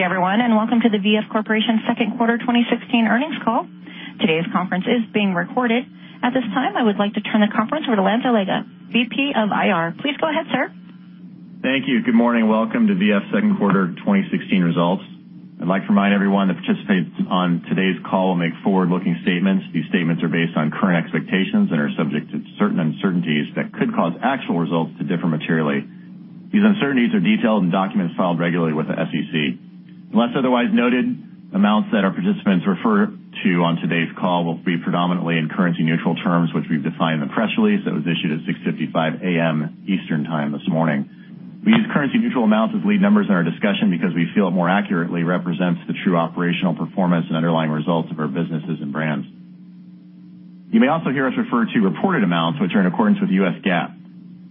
Good day, everyone, and welcome to the V.F. Corporation second quarter 2016 earnings call. Today's conference is being recorded. At this time, I would like to turn the conference over to Lance Allega, VP of IR. Please go ahead, sir. Thank you. Good morning. Welcome to V.F. second quarter 2016 results. I'd like to remind everyone that participates on today's call we'll make forward-looking statements. These statements are based on current expectations and are subject to certain uncertainties that could cause actual results to differ materially. These uncertainties are detailed in documents filed regularly with the SEC. Unless otherwise noted, amounts that our participants refer to on today's call will be predominantly in currency-neutral terms, which we've defined in the press release that was issued at 6:55 A.M. Eastern Time this morning. We use currency-neutral amounts as lead numbers in our discussion because we feel it more accurately represents the true operational performance and underlying results of our businesses and brands. You may also hear us refer to reported amounts which are in accordance with U.S. GAAP.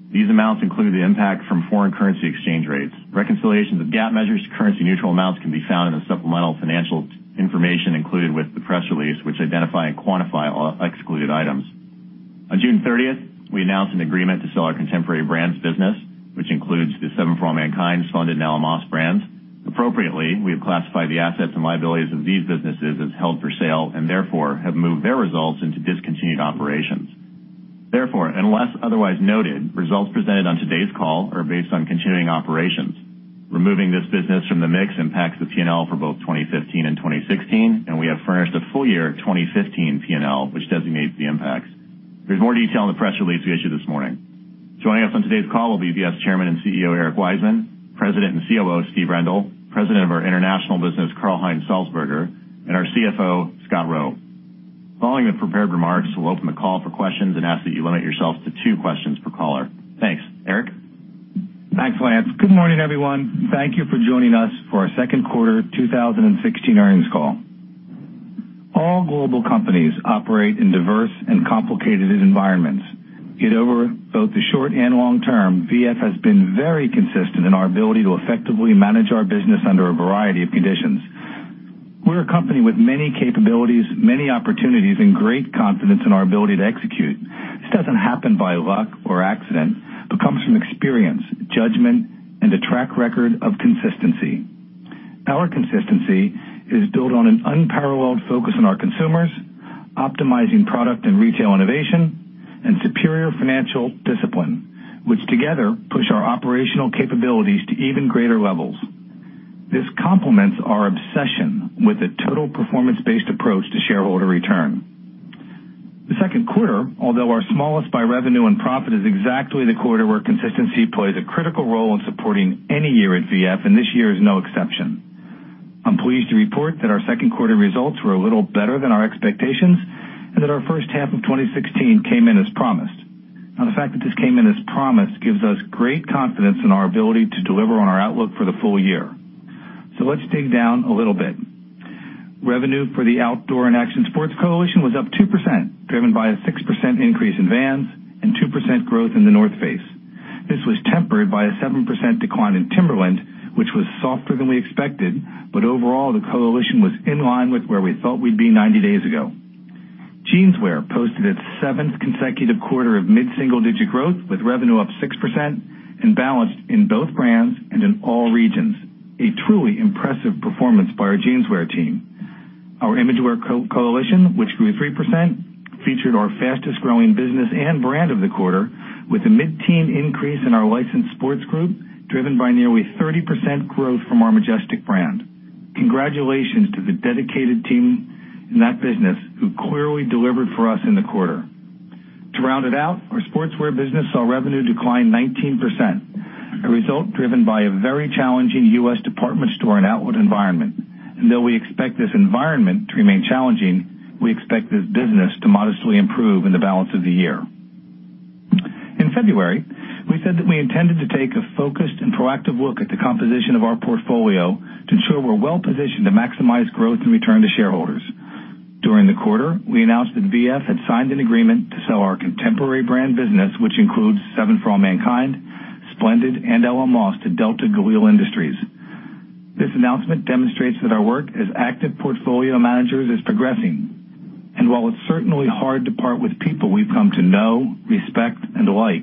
These amounts include the impact from foreign currency exchange rates. Reconciliations of GAAP measures to currency-neutral amounts can be found in the supplemental financial information included with the press release, which identify and quantify all excluded items. On June 30th, we announced an agreement to sell our Contemporary Brands business, which includes the 7 For All Mankind, Splendid, and Ella Moss brands. Appropriately, we have classified the assets and liabilities of these businesses as held for sale, and therefore, have moved their results into discontinued operations. Therefore, unless otherwise noted, results presented on today's call are based on continuing operations. Removing this business from the mix impacts the P&L for both 2015 and 2016, and we have furnished a full year 2015 P&L, which designates the impacts. There's more detail in the press release we issued this morning. Joining us on today's call will be V.F.'s Chairman and CEO, Eric Wiseman, President and COO, Steve Rendle, President of our International Business, Karl-Heinz Salzburger, and our CFO, Scott Roe. Following the prepared remarks, we'll open the call for questions and ask that you limit yourselves to two questions per caller. Thanks. Eric? Thanks, Lance. Good morning, everyone. Thank you for joining us for our second quarter 2016 earnings call. All global companies operate in diverse and complicated environments. Yet over both the short and long term, V.F. has been very consistent in our ability to effectively manage our business under a variety of conditions. We're a company with many capabilities, many opportunities, and great confidence in our ability to execute. This doesn't happen by luck or accident, but comes from experience, judgment, and a track record of consistency. Our consistency is built on an unparalleled focus on our consumers, optimizing product and retail innovation, and superior financial discipline, which together push our operational capabilities to even greater levels. This complements our obsession with a total performance-based approach to shareholder return. The second quarter, although our smallest by revenue and profit, is exactly the quarter where consistency plays a critical role in supporting any year at V.F., and this year is no exception. I'm pleased to report that our second quarter results were a little better than our expectations, and that our first half of 2016 came in as promised. The fact that this came in as promised gives us great confidence in our ability to deliver on our outlook for the full year. Let's dig down a little bit. Revenue for the Outdoor & Action Sports coalition was up 2%, driven by a 6% increase in Vans and 2% growth in The North Face. This was tempered by a 7% decline in Timberland, which was softer than we expected. Overall, the coalition was in line with where we thought we'd be 90 days ago. Jeanswear posted its seventh consecutive quarter of mid-single-digit growth, with revenue up 6% and balanced in both brands and in all regions. A truly impressive performance by our Jeanswear team. Our Imagewear coalition, which grew 3%, featured our fastest-growing business and brand of the quarter with a mid-teen increase in our licensed sports group, driven by nearly 30% growth from our Majestic brand. Congratulations to the dedicated team in that business who clearly delivered for us in the quarter. To round it out, our Sportswear business saw revenue decline 19%, a result driven by a very challenging U.S. department store and outlet environment. Though we expect this environment to remain challenging, we expect this business to modestly improve in the balance of the year. In February, we said that we intended to take a focused and proactive look at the composition of our portfolio to ensure we're well-positioned to maximize growth and return to shareholders. During the quarter, we announced that V.F. had signed an agreement to sell our Contemporary Brands business, which includes 7 For All Mankind, Splendid, and Ella Moss, to Delta Galil Industries. This announcement demonstrates that our work as active portfolio managers is progressing. While it's certainly hard to part with people we've come to know, respect, and like,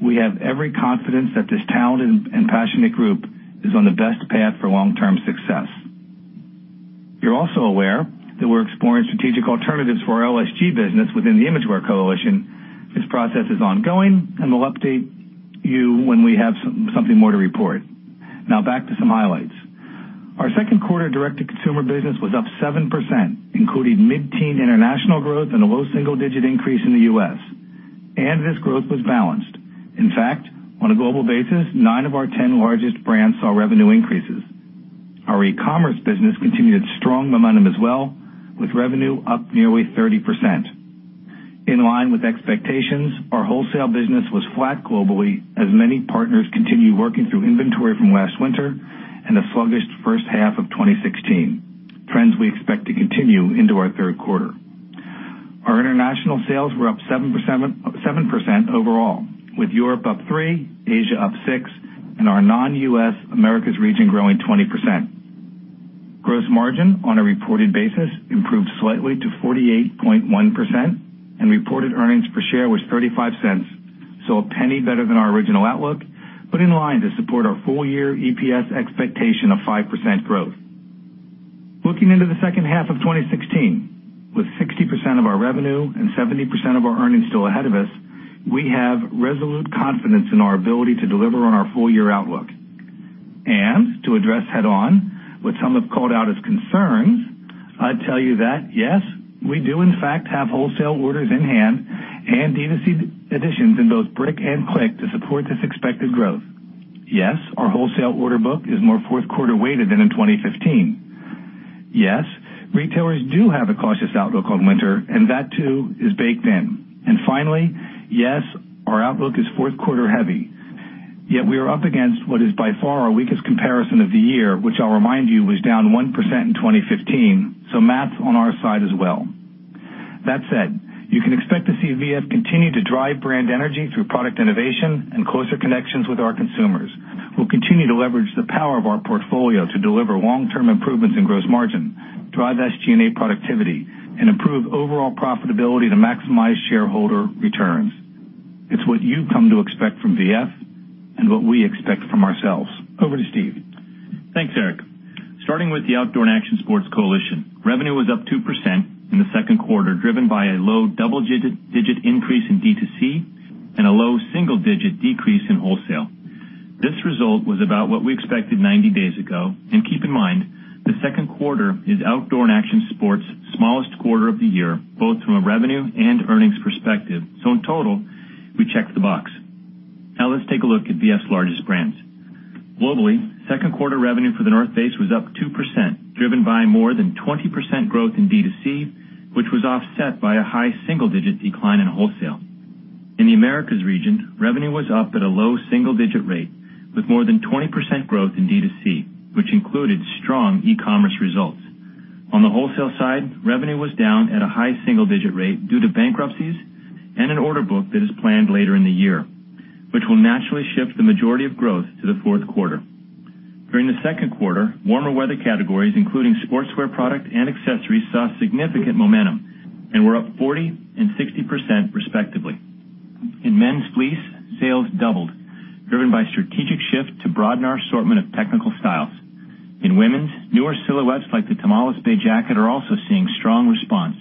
we have every confidence that this talented and passionate group is on the best path for long-term success. You're also aware that we're exploring strategic alternatives for our LSG business within the Imagewear coalition. This process is ongoing. We'll update you when we have something more to report. Back to some highlights. Our second quarter direct-to-consumer business was up 7%, including mid-teen international growth and a low single-digit increase in the U.S. This growth was balanced. In fact, on a global basis, nine of our 10 largest brands saw revenue increases. Our e-commerce business continued strong momentum as well, with revenue up nearly 30%. In line with expectations, our wholesale business was flat globally as many partners continue working through inventory from last winter and a sluggish first half of 2016, trends we expect to continue into our third quarter. Our international sales were up 7% overall, with Europe up 3%, Asia up 6%, and our non-U.S. Americas region growing 20%. Gross margin on a reported basis improved slightly to 48.1%, and reported earnings per share was $0.35. A penny better than our original outlook, but in line to support our full-year EPS expectation of 5% growth. Looking into the second half of 2016, with 60% of our revenue and 70% of our earnings still ahead of us, we have resolute confidence in our ability to deliver on our full-year outlook. To address head-on what some have called out as concerns, I'd tell you that yes, we do in fact have wholesale orders in hand and D2C additions in both brick and click to support this expected growth. Yes, our wholesale order book is more fourth quarter-weighted than in 2015. Yes, retailers do have a cautious outlook on winter, and that too is baked in. Finally, yes, our outlook is fourth quarter heavy, yet we are up against what is by far our weakest comparison of the year, which I'll remind you, was down 1% in 2015. Math's on our side as well. That said, you can expect to see V.F. continue to drive brand energy through product innovation and closer connections with our consumers. We'll continue to leverage the power of our portfolio to deliver long-term improvements in gross margin, drive SG&A productivity, and improve overall profitability to maximize shareholder returns. It's what you've come to expect from V.F. and what we expect from ourselves. Over to Steve. Thanks, Eric. Starting with the Outdoor & Action Sports coalition. Revenue was up 2% in the second quarter, driven by a low double-digit increase in D2C and a low single-digit decrease in wholesale. This result was about what we expected 90 days ago. Keep in mind, the second quarter is Outdoor & Action Sports' smallest quarter of the year, both from a revenue and earnings perspective. In total, we checked the box. Let's take a look at V.F.'s largest brands. Globally, second quarter revenue for The North Face was up 2%, driven by more than 20% growth in D2C, which was offset by a high single-digit decline in wholesale. In the Americas region, revenue was up at a low single-digit rate with more than 20% growth in D2C, which included strong e-commerce results. On the wholesale side, revenue was down at a high single-digit rate due to bankruptcies and an order book that is planned later in the year, which will naturally shift the majority of growth to the fourth quarter. During the second quarter, warmer weather categories, including Sportswear product and accessories, saw significant momentum and were up 40% and 60%, respectively. In men's fleece, sales doubled, driven by a strategic shift to broaden our assortment of technical styles. In women's, newer silhouettes like the Tomales Bay jacket are also seeing strong response.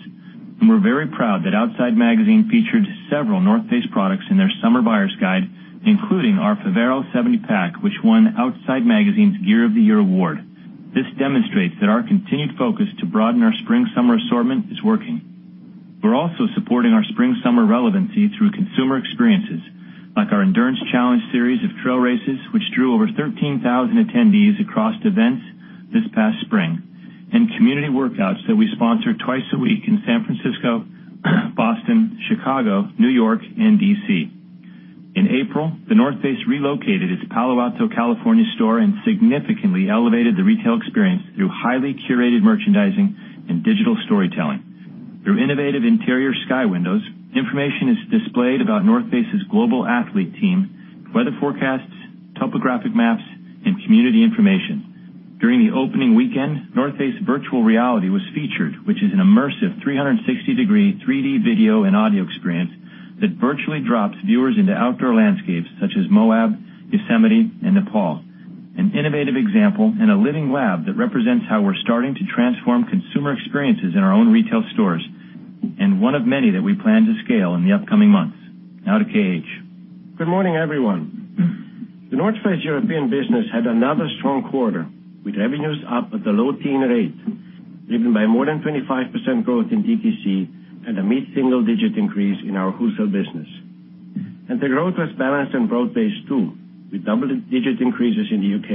We're very proud that Outside Magazine featured several The North Face products in their summer buyer's guide, including our Fovero 70 pack, which won Outside Magazine's Gear of the Year award. This demonstrates that our continued focus to broaden our spring-summer assortment is working. We're also supporting our spring-summer relevancy through consumer experiences, like our Endurance Challenge series of trail races, which drew over 13,000 attendees across events this past spring, and community workouts that we sponsor twice a week in San Francisco, Boston, Chicago, New York, and D.C. In April, The North Face relocated its Palo Alto, California store and significantly elevated the retail experience through highly curated merchandising and digital storytelling. Through innovative interior sky windows, information is displayed about The North Face's global athlete team, weather forecasts, topographic maps, and community information. During the opening weekend, The North Face virtual reality was featured, which is an immersive 360-degree 3D video and audio experience that virtually drops viewers into outdoor landscapes such as Moab, Yosemite, and Nepal. An innovative example and a living lab that represents how we're starting to transform consumer experiences in our own retail stores, one of many that we plan to scale in the upcoming months. Now to KH. Good morning, everyone. The North Face European business had another strong quarter, with revenues up at a low teen rate, driven by more than 25% growth in DTC and a mid-single digit increase in our wholesale business. The growth was balanced and broad-based too, with double-digit increases in the U.K.,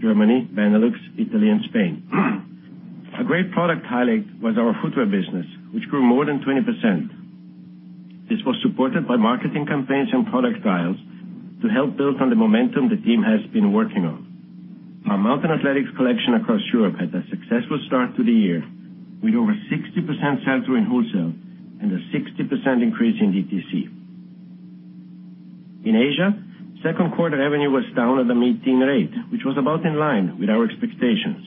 Germany, Benelux, Italy, and Spain. A great product highlight was our footwear business, which grew more than 20%. This was supported by marketing campaigns and product trials to help build on the momentum the team has been working on. Our Mountain Athletics collection across Europe had a successful start to the year, with over 60% sell-through in wholesale and a 60% increase in DTC. In Asia, second quarter revenue was down at a mid-teen rate, which was about in line with our expectations.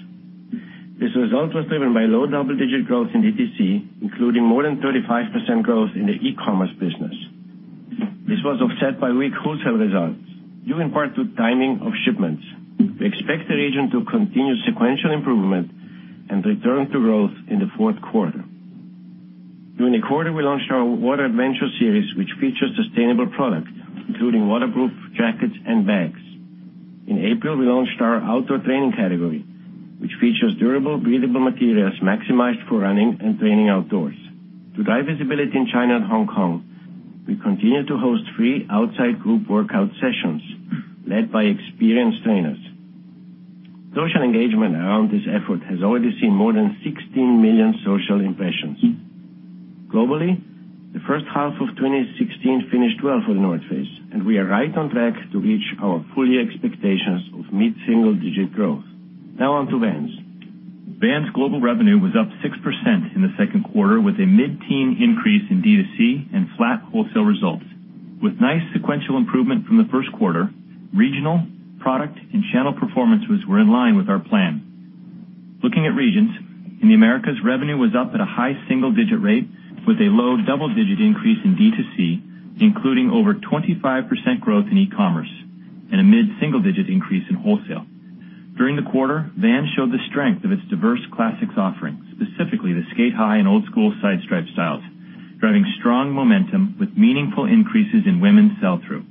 This result was driven by low double-digit growth in DTC, including more than 35% growth in the e-commerce business. This was offset by weak wholesale results, due in part to timing of shipments. We expect the region to continue sequential improvement and return to growth in the fourth quarter. During the quarter, we launched our Water Adventure series, which features sustainable products, including waterproof jackets and bags. In April, we launched our outdoor training category, which features durable, breathable materials maximized for running and training outdoors. To drive visibility in China and Hong Kong, we continue to host free outside group workout sessions led by experienced trainers. Social engagement around this effort has already seen more than 16 million social impressions. Globally, the first half of 2016 finished well for The North Face, and we are right on track to reach our full year expectations of mid-single digit growth. Now on to Vans. Vans global revenue was up 6% in the second quarter with a mid-teen increase in D2C and flat wholesale results. With nice sequential improvement from the first quarter, regional, product, and channel performances were in line with our plan. Looking at regions, in the Americas, revenue was up at a high single-digit rate with a low double-digit increase in D2C, including over 25% growth in e-commerce and a mid-single-digit increase in wholesale. During the quarter, Vans showed the strength of its diverse classics offerings, specifically the SK8-Hi and Old Skool side stripe styles, driving strong momentum with meaningful increases in women's sell-through.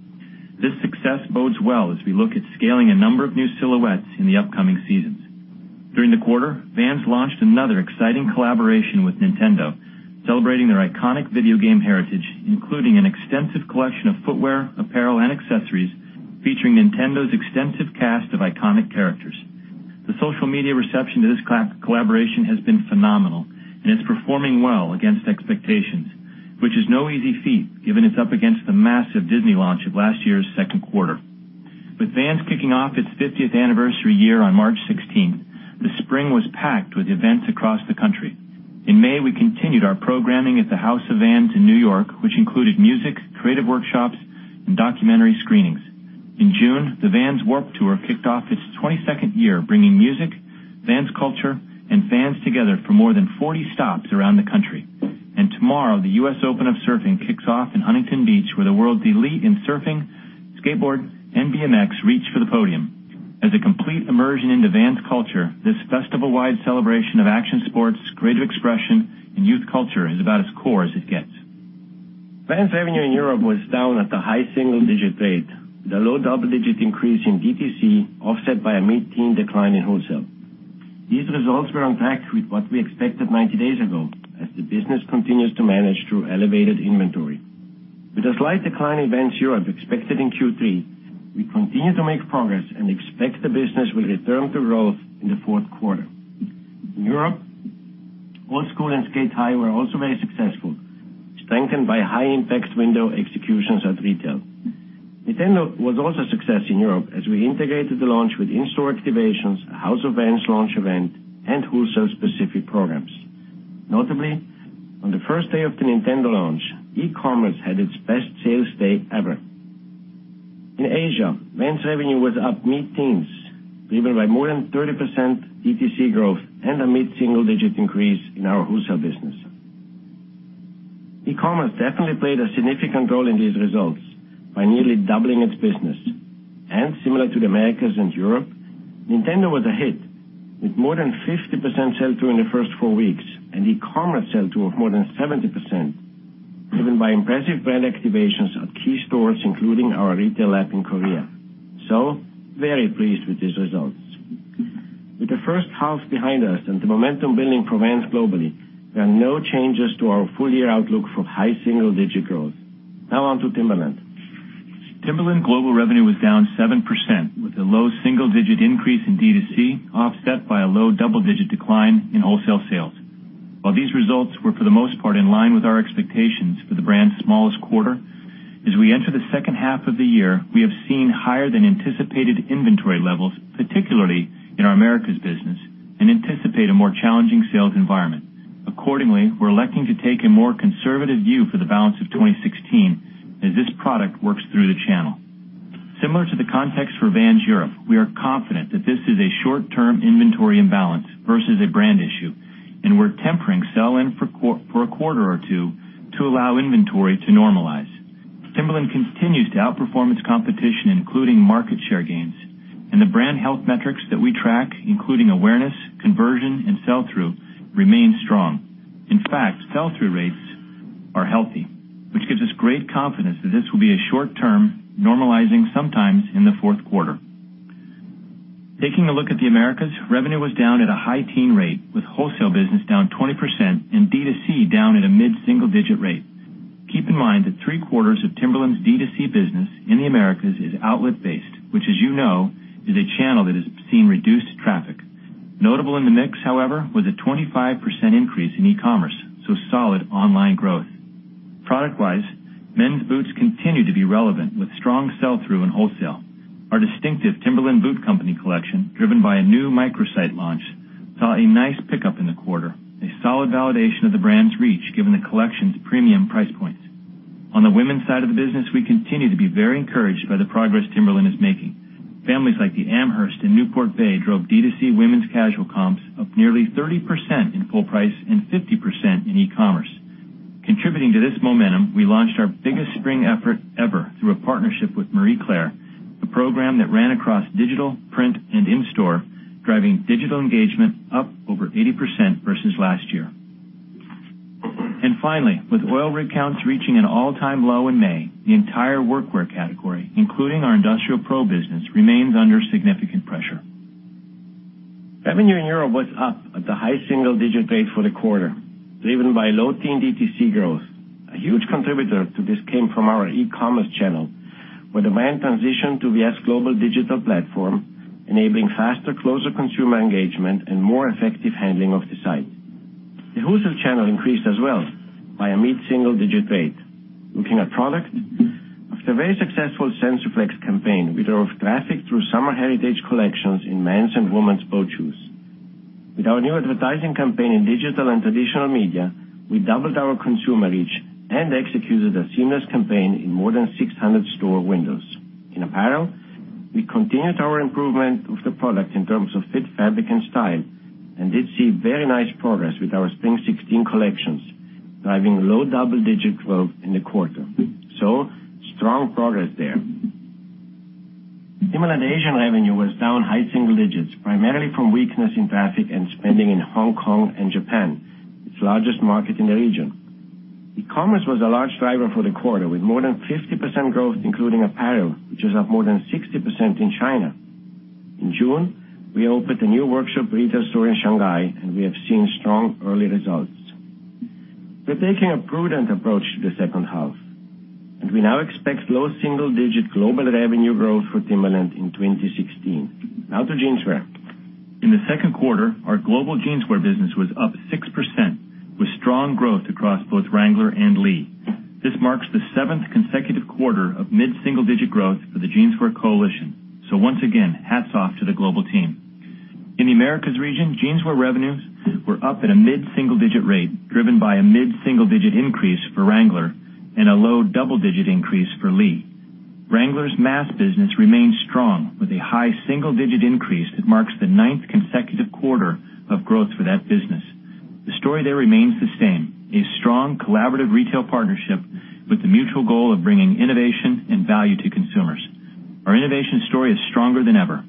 This success bodes well as we look at scaling a number of new silhouettes in the upcoming seasons. During the quarter, Vans launched another exciting collaboration with Nintendo, celebrating their iconic video game heritage, including an extensive collection of footwear, apparel, and accessories featuring Nintendo's extensive cast of iconic characters. The social media reception to this collaboration has been phenomenal and is performing well against expectations, which is no easy feat given it's up against the massive Disney launch of last year's second quarter. With Vans kicking off its 50th anniversary year on March 16th, the spring was packed with events across the country. In May, we continued our programming at the House of Vans in New York, which included music, creative workshops, and documentary screenings. In June, the Vans Warped Tour kicked off its 22nd year, bringing music, Vans culture, and fans together for more than 40 stops around the country. Tomorrow, the U.S. Open of Surfing kicks off in Huntington Beach, where the world's elite in surfing, skateboard, and BMX reach for the podium. As a complete immersion into Vans culture, this festival-wide celebration of action sports, creative expression, and youth culture is about as core as it gets. Vans revenue in Europe was down at the high single-digit rate, with a low double-digit increase in DTC offset by a mid-teen decline in wholesale. These results were on track with what we expected 90 days ago as the business continues to manage through elevated inventory. With a slight decline in Vans Europe expected in Q3, we continue to make progress and expect the business will return to growth in the fourth quarter. In Europe, Old Skool and SK8-Hi were also very successful, strengthened by high impact window executions at retail. Nintendo was also a success in Europe as we integrated the launch with in-store activations, a House of Vans launch event, and wholesale-specific programs. Notably, on the first day of the Nintendo launch, e-commerce had its best sales day ever. In Asia, Vans revenue was up mid-teens, driven by more than 30% DTC growth and a mid-single-digit increase in our wholesale business. E-commerce definitely played a significant role in these results by nearly doubling its business. Similar to the Americas and Europe, Nintendo was a hit with more than 50% sell-through in the first four weeks and e-commerce sell-through of more than 70%, driven by impressive brand activations at key stores, including our retail app in Korea. Very pleased with these results. With the first half behind us and the momentum building for Vans globally, there are no changes to our full-year outlook for high single-digit growth. Now on to Timberland. Timberland global revenue was down 7%, with a low single-digit increase in D2C, offset by a low double-digit decline in wholesale sales. While these results were for the most part in line with our expectations for the brand's smallest quarter, as we enter the second half of the year, we have seen higher than anticipated inventory levels, particularly in our Americas business, and anticipate a more challenging sales environment. Accordingly, we're electing to take a more conservative view for the balance of 2016 as this product works through the channel. Similar to the context for Vans Europe, we are confident that this is a short-term inventory imbalance versus a brand issue, and we're tempering sell-in for a quarter or two to allow inventory to normalize. Timberland continues to outperform its competition, including market share gains, and the brand health metrics that we track, including awareness, conversion, and sell-through, remain strong. In fact, sell-through rates are healthy, which gives us great confidence that this will be a short term, normalizing sometime in the fourth quarter. Taking a look at the Americas, revenue was down at a high teen rate, with wholesale business down 20% and D2C down at a mid-single-digit rate. Keep in mind that three-quarters of Timberland's D2C business in the Americas is outlet based, which as you know, is a channel that has seen reduced traffic. Notable in the mix, however, was a 25% increase in e-commerce, solid online growth. Product-wise, men's boots continue to be relevant with strong sell-through in wholesale. Our distinctive Timberland Boot Company collection, driven by a new microsite launch, saw a nice pickup in the quarter, a solid validation of the brand's reach given the collection's premium price points. On the women's side of the business, we continue to be very encouraged by the progress Timberland is making. Families like the Amherst and Newport Bay drove D2C women's casual comps up nearly 30% in full price and 50% in e-commerce. Contributing to this momentum, we launched our biggest spring effort ever through a partnership with Marie Claire, a program that ran across digital, print, and in-store, driving digital engagement up over 80% versus last year. Finally, with oil rig counts reaching an all-time low in May, the entire workwear category, including our Timberland PRO business, remains under significant pressure. Revenue in Europe was up at the high single-digit rate for the quarter, driven by low-teen DTC growth. A huge contributor to this came from our e-commerce channel, where the brand transitioned to V.F.'s global digital platform, enabling faster, closer consumer engagement and more effective handling of the site. The wholesale channel increased as well by a mid-single-digit rate. Looking at product, after a very successful SensorFlex campaign, we drove traffic through summer heritage collections in men's and women's boat shoes. With our new advertising campaign in digital and traditional media, we doubled our consumer reach and executed a seamless campaign in more than 600 store windows. In apparel, we continued our improvement of the product in terms of fit, fabric, and style, and did see very nice progress with our Spring 2016 collections, driving low double-digit growth in the quarter. Strong progress there. Timberland Asian revenue was down high single digits, primarily from weakness in traffic and spending in Hong Kong and Japan, its largest market in the region. E-commerce was a large driver for the quarter, with more than 50% growth, including apparel, which was up more than 60% in China. In June, we opened a new workshop retail store in Shanghai, and we have seen strong early results. We're taking a prudent approach to the second half, and we now expect low single-digit global revenue growth for Timberland in 2016. Now to Jeanswear. In the second quarter, our global Jeanswear business was up 6%, with strong growth across both Wrangler and Lee. This marks the seventh consecutive quarter of mid-single-digit growth for the Jeanswear coalition. Once again, hats off to the global team. In the Americas region, Jeanswear revenues were up at a mid-single-digit rate, driven by a mid-single-digit increase for Wrangler and a low double-digit increase for Lee. Wrangler's mass business remained strong with a high single-digit increase that marks the ninth consecutive quarter of growth for that business. The story there remains the same: a strong collaborative retail partnership with the mutual goal of bringing innovation and value to consumers. Our innovation story is stronger than ever.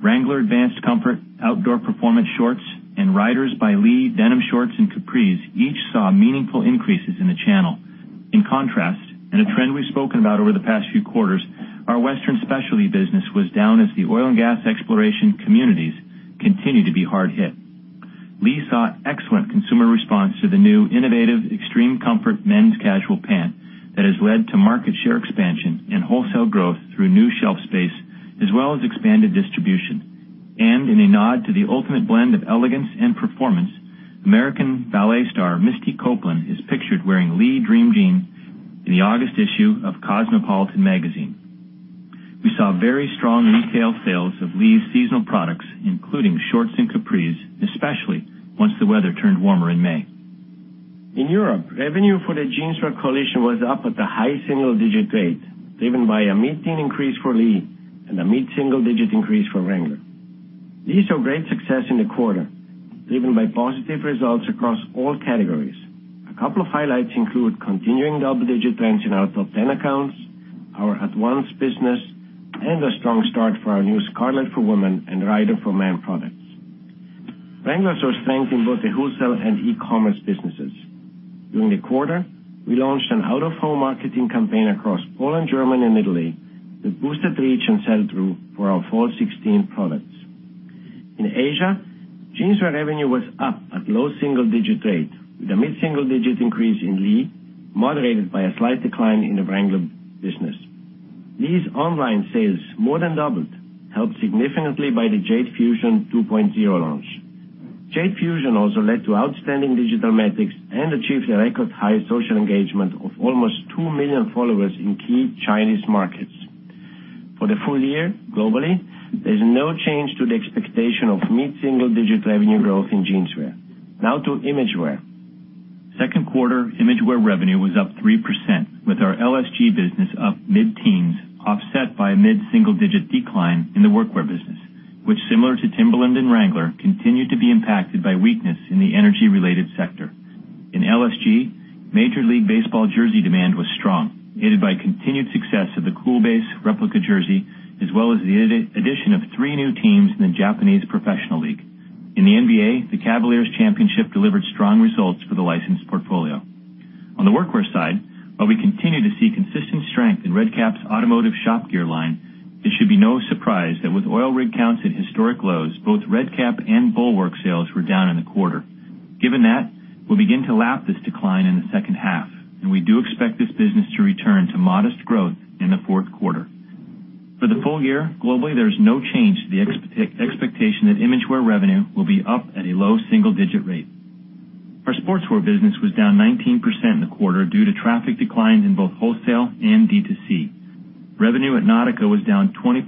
Wrangler Advanced Comfort, outdoor performance shorts, and Riders by Lee denim shorts and capris each saw meaningful increases in the channel. In contrast, and a trend we've spoken about over the past few quarters, our Western specialty business was down as the oil and gas exploration communities continue to be hard hit. Lee saw excellent consumer response to the new innovative, extreme comfort men's casual pant that has led to market share expansion and wholesale growth through new shelf space, as well as expanded distribution. In a nod to the ultimate blend of elegance and performance, American Ballet star Misty Copeland is pictured wearing Lee Dream Jean in the August issue of Cosmopolitan magazine. We saw very strong retail sales of Lee's seasonal products, including shorts and capris, especially once the weather turned warmer in May. In Europe, revenue for the Jeanswear coalition was up at the high single-digit rate, driven by a mid-teen increase for Lee and a mid-single-digit increase for Wrangler. Lee saw great success in the quarter, driven by positive results across all categories. A couple of highlights include continuing double-digit trends in our top 10 accounts, our Advanced business, and a strong start for our new Scarlett for Women and Rider for Men products. Wranglers are strengthened both the wholesale and e-commerce businesses. During the quarter, we launched an out-of-home marketing campaign across Poland, Germany, and Italy that boosted reach and sell-through for our Fall 2016 products. In Asia, Jeanswear revenue was up at low single-digit rate, with a mid-single-digit increase in Lee, moderated by a slight decline in the Wrangler business. Lee's online sales more than doubled, helped significantly by the Jade Fusion 2.0 launch. Jade Fusion also led to outstanding digital metrics and achieved a record high social engagement of almost 2 million followers in key Chinese markets. For the full year globally, there's no change to the expectation of mid-single-digit revenue growth in Jeanswear. Now to Imagewear. Second quarter Imagewear revenue was up 3%, with our LSG business up mid-teens, offset by a mid-single-digit decline in the workwear business, which similar to Timberland and Wrangler, continued to be impacted by weakness in the energy-related sector. In LSG, Major League Baseball jersey demand was strong, aided by continued success of the Cool Base replica jersey, as well as the addition of three new teams in the Japanese Professional League. In the NBA, the Cavaliers championship delivered strong results for the licensed portfolio. On the workwear side, while we continue to see consistent strength in Red Kap's automotive shop gear line, it should be no surprise that with oil rig counts at historic lows, both Red Kap and Bulwark sales were down in the quarter. Given that, we'll begin to lap this decline in the second half. We do expect this business to return to modest growth in the fourth quarter. For the full year globally, there is no change to the expectation that Imagewear revenue will be up at a low single-digit rate. Our Sportswear business was down 19% in the quarter due to traffic declines in both wholesale and D2C. Revenue at Nautica was down 20%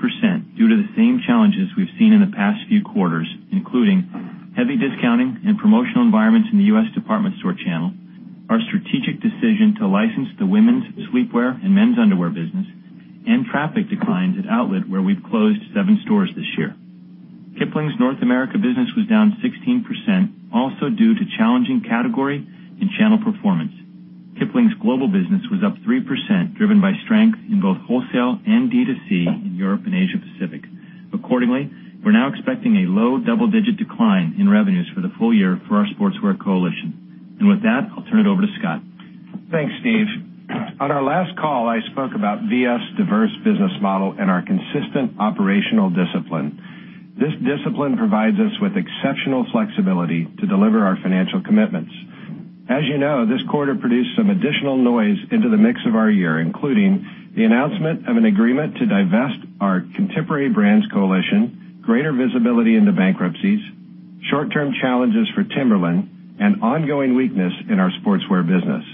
due to the same challenges we've seen in the past few quarters, including heavy discounting and promotional environments in the U.S. department store channel, our strategic decision to license the women's sleepwear and men's underwear business, traffic declines at Outlet, where we've closed seven stores this year. Kipling's North America business was down 16%, also due to challenging category and channel performance. Kipling's global business was up 3%, driven by strength in both wholesale and D2C in Europe and Asia Pacific. Accordingly, we're now expecting a low double-digit decline in revenues for the full year for our Sportswear coalition. With that, I'll turn it over to Scott. Thanks, Steve. On our last call, I spoke about V.F.'s diverse business model and our consistent operational discipline. This discipline provides us with exceptional flexibility to deliver our financial commitments. As you know, this quarter produced some additional noise into the mix of our year, including the announcement of an agreement to divest our Contemporary Brands coalition, greater visibility into bankruptcies, short-term challenges for Timberland, and ongoing weakness in our Sportswear business.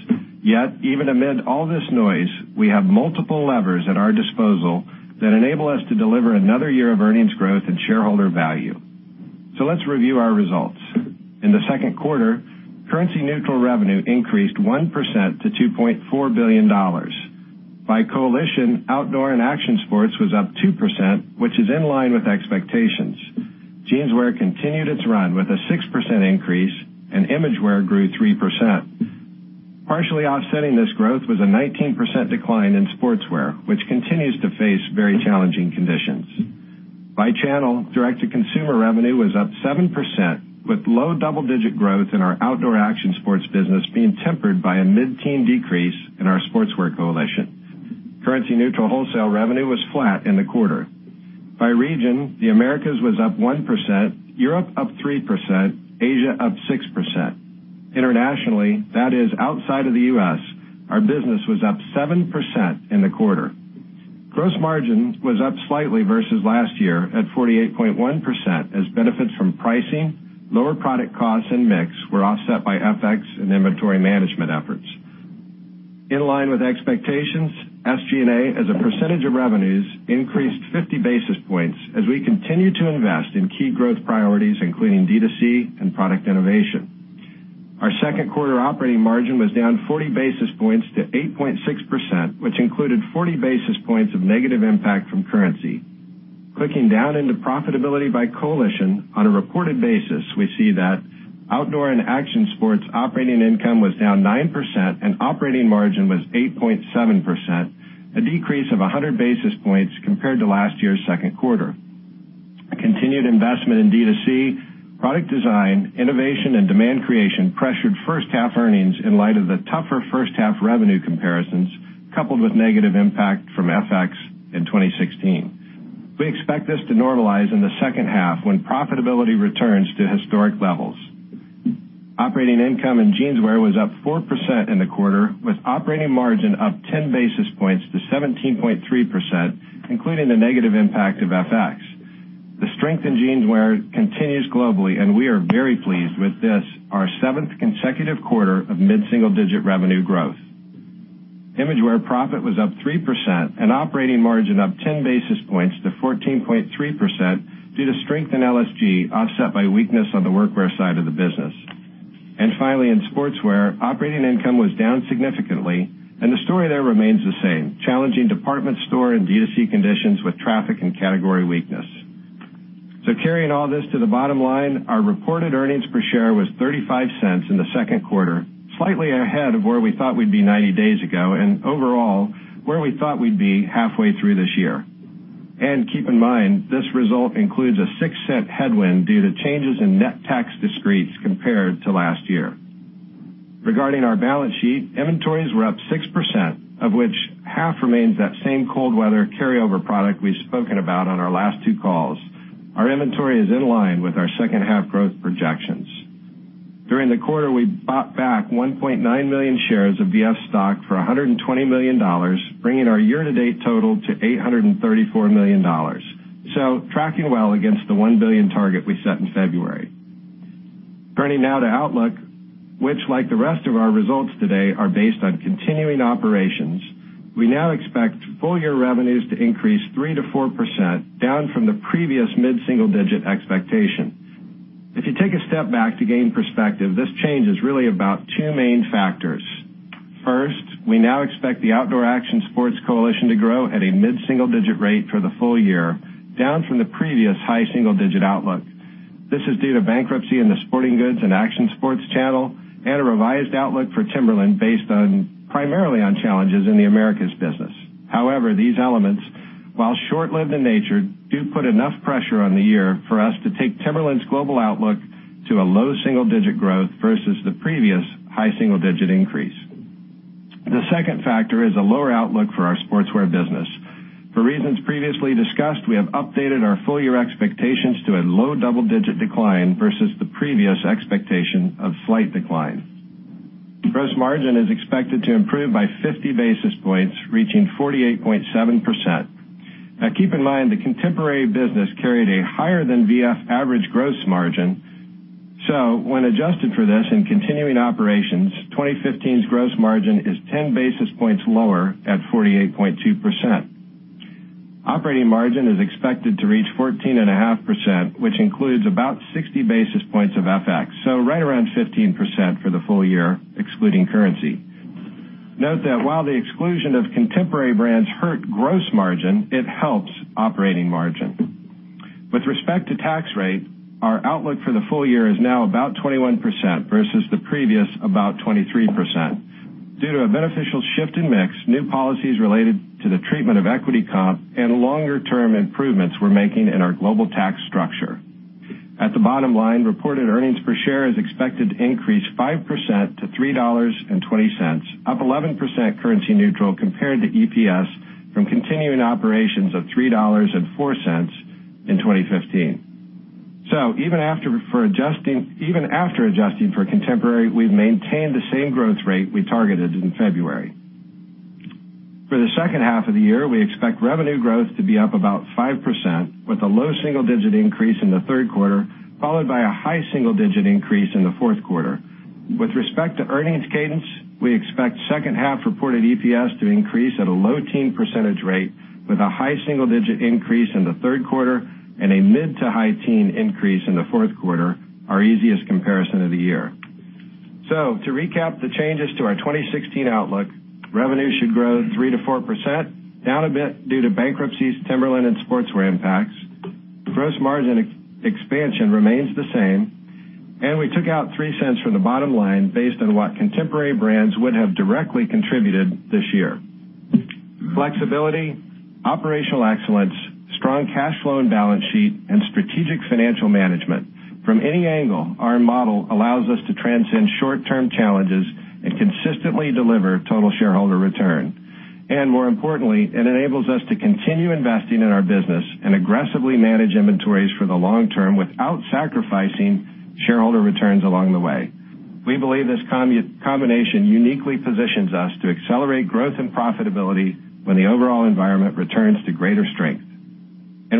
Yet, even amid all this noise, we have multiple levers at our disposal that enable us to deliver another year of earnings growth and shareholder value. Let's review our results. In the second quarter, currency neutral revenue increased 1% to $2.4 billion. By coalition, Outdoor & Action Sports was up 2%, which is in line with expectations. Jeanswear continued its run with a 6% increase, and Imagewear grew 3%. Partially offsetting this growth was a 19% decline in Sportswear, which continues to face very challenging conditions. By channel, direct-to-consumer revenue was up 7%, with low double-digit growth in our Outdoor & Action Sports business being tempered by a mid-teen decrease in our Sportswear coalition. Currency neutral wholesale revenue was flat in the quarter. By region, the Americas was up 1%, Europe up 3%, Asia up 6%. Internationally, that is outside of the U.S., our business was up 7% in the quarter. Gross margin was up slightly versus last year at 48.1%, as benefits from pricing, lower product costs, and mix were offset by FX and inventory management efforts. In line with expectations, SG&A as a percentage of revenues increased 50 basis points as we continue to invest in key growth priorities, including D2C and product innovation. Our second quarter operating margin was down 40 basis points to 8.6%, which included 40 basis points of negative impact from currency. Clicking down into profitability by coalition, on a reported basis, we see that Outdoor & Action Sports operating income was down 9% and operating margin was 8.7%, a decrease of 100 basis points compared to last year's second quarter. A continued investment in D2C, product design, innovation, and demand creation pressured first half earnings in light of the tougher first half revenue comparisons, coupled with negative impact from FX in 2016. We expect this to normalize in the second half when profitability returns to historic levels. Operating income in Jeanswear was up 4% in the quarter, with operating margin up 10 basis points to 17.3%, including the negative impact of FX. The strength in Jeanswear continues globally, and we are very pleased with this, our seventh consecutive quarter of mid-single-digit revenue growth. Imagewear profit was up 3% and operating margin up 10 basis points to 14.3% due to strength in LSG offset by weakness on the workwear side of the business. Finally, in Sportswear, operating income was down significantly and the story there remains the same. Challenging department store and D2C conditions with traffic and category weakness. Carrying all this to the bottom line, our reported earnings per share was $0.35 in the second quarter, slightly ahead of where we thought we'd be 90 days ago, and overall, where we thought we'd be halfway through this year. Keep in mind, this result includes a $0.06 headwind due to changes in net tax discretes compared to last year. Regarding our balance sheet, inventories were up 6%, of which half remains that same cold weather carryover product we've spoken about on our last two calls. Our inventory is in line with our second half growth projections. During the quarter, we bought back 1.9 million shares of VF stock for $120 million, bringing our year-to-date total to $834 million. Tracking well against the $1 billion target we set in February. Turning now to outlook, which like the rest of our results today are based on continuing operations, we now expect full year revenues to increase 3%-4% down from the previous mid-single-digit expectation. If you take a step back to gain perspective, this change is really about two main factors. First, we now expect the Outdoor & Action Sports coalition to grow at a mid-single-digit rate for the full year, down from the previous high single-digit outlook. This is due to bankruptcy in the sporting goods and action sports channel and a revised outlook for Timberland based primarily on challenges in the Americas business. However, these elements, while short-lived in nature, do put enough pressure on the year for us to take Timberland's global outlook to a low single-digit growth versus the previous high single-digit increase. The second factor is a lower outlook for our Sportswear business. For reasons previously discussed, we have updated our full year expectations to a low double-digit decline versus the previous expectation of slight decline. Gross margin is expected to improve by 50 basis points, reaching 48.7%. Now keep in mind, the Contemporary Brands business carried a higher-than-VF average gross margin. When adjusted for this in continuing operations, 2015's gross margin is 10 basis points lower at 48.2%. Operating margin is expected to reach 14.5%, which includes about 60 basis points of FX, right around 15% for the full year, excluding currency. Note that while the exclusion of Contemporary Brands hurt gross margin, it helps operating margin. With respect to tax rate, our outlook for the full year is now about 21% versus the previous about 23%. Due to a beneficial shift in mix, new policies related to the treatment of equity comp, and longer-term improvements we're making in our global tax structure. At the bottom line, reported earnings per share is expected to increase 5% to $3.20, up 11% currency neutral compared to EPS from continuing operations of $3.04 in 2015. Even after adjusting for Contemporary Brands, we've maintained the same growth rate we targeted in February. For the second half of the year, we expect revenue growth to be up about 5%, with a low single-digit increase in the third quarter, followed by a high single-digit increase in the fourth quarter. With respect to earnings cadence, we expect second half reported EPS to increase at a low teen percentage rate with a high single-digit increase in the third quarter and a mid to high teen increase in the fourth quarter, our easiest comparison of the year. To recap the changes to our 2016 outlook, revenue should grow 3%-4%, down a bit due to bankruptcies, Timberland and Sportswear impacts. Gross margin expansion remains the same, and we took out $0.03 from the bottom line based on what Contemporary Brands would have directly contributed this year. Flexibility, operational excellence, strong cash flow and balance sheet, strategic financial management. From any angle, our model allows us to transcend short-term challenges and consistently deliver total shareholder return. More importantly, it enables us to continue investing in our business and aggressively manage inventories for the long term without sacrificing shareholder returns along the way. We believe this combination uniquely positions us to accelerate growth and profitability when the overall environment returns to greater strength.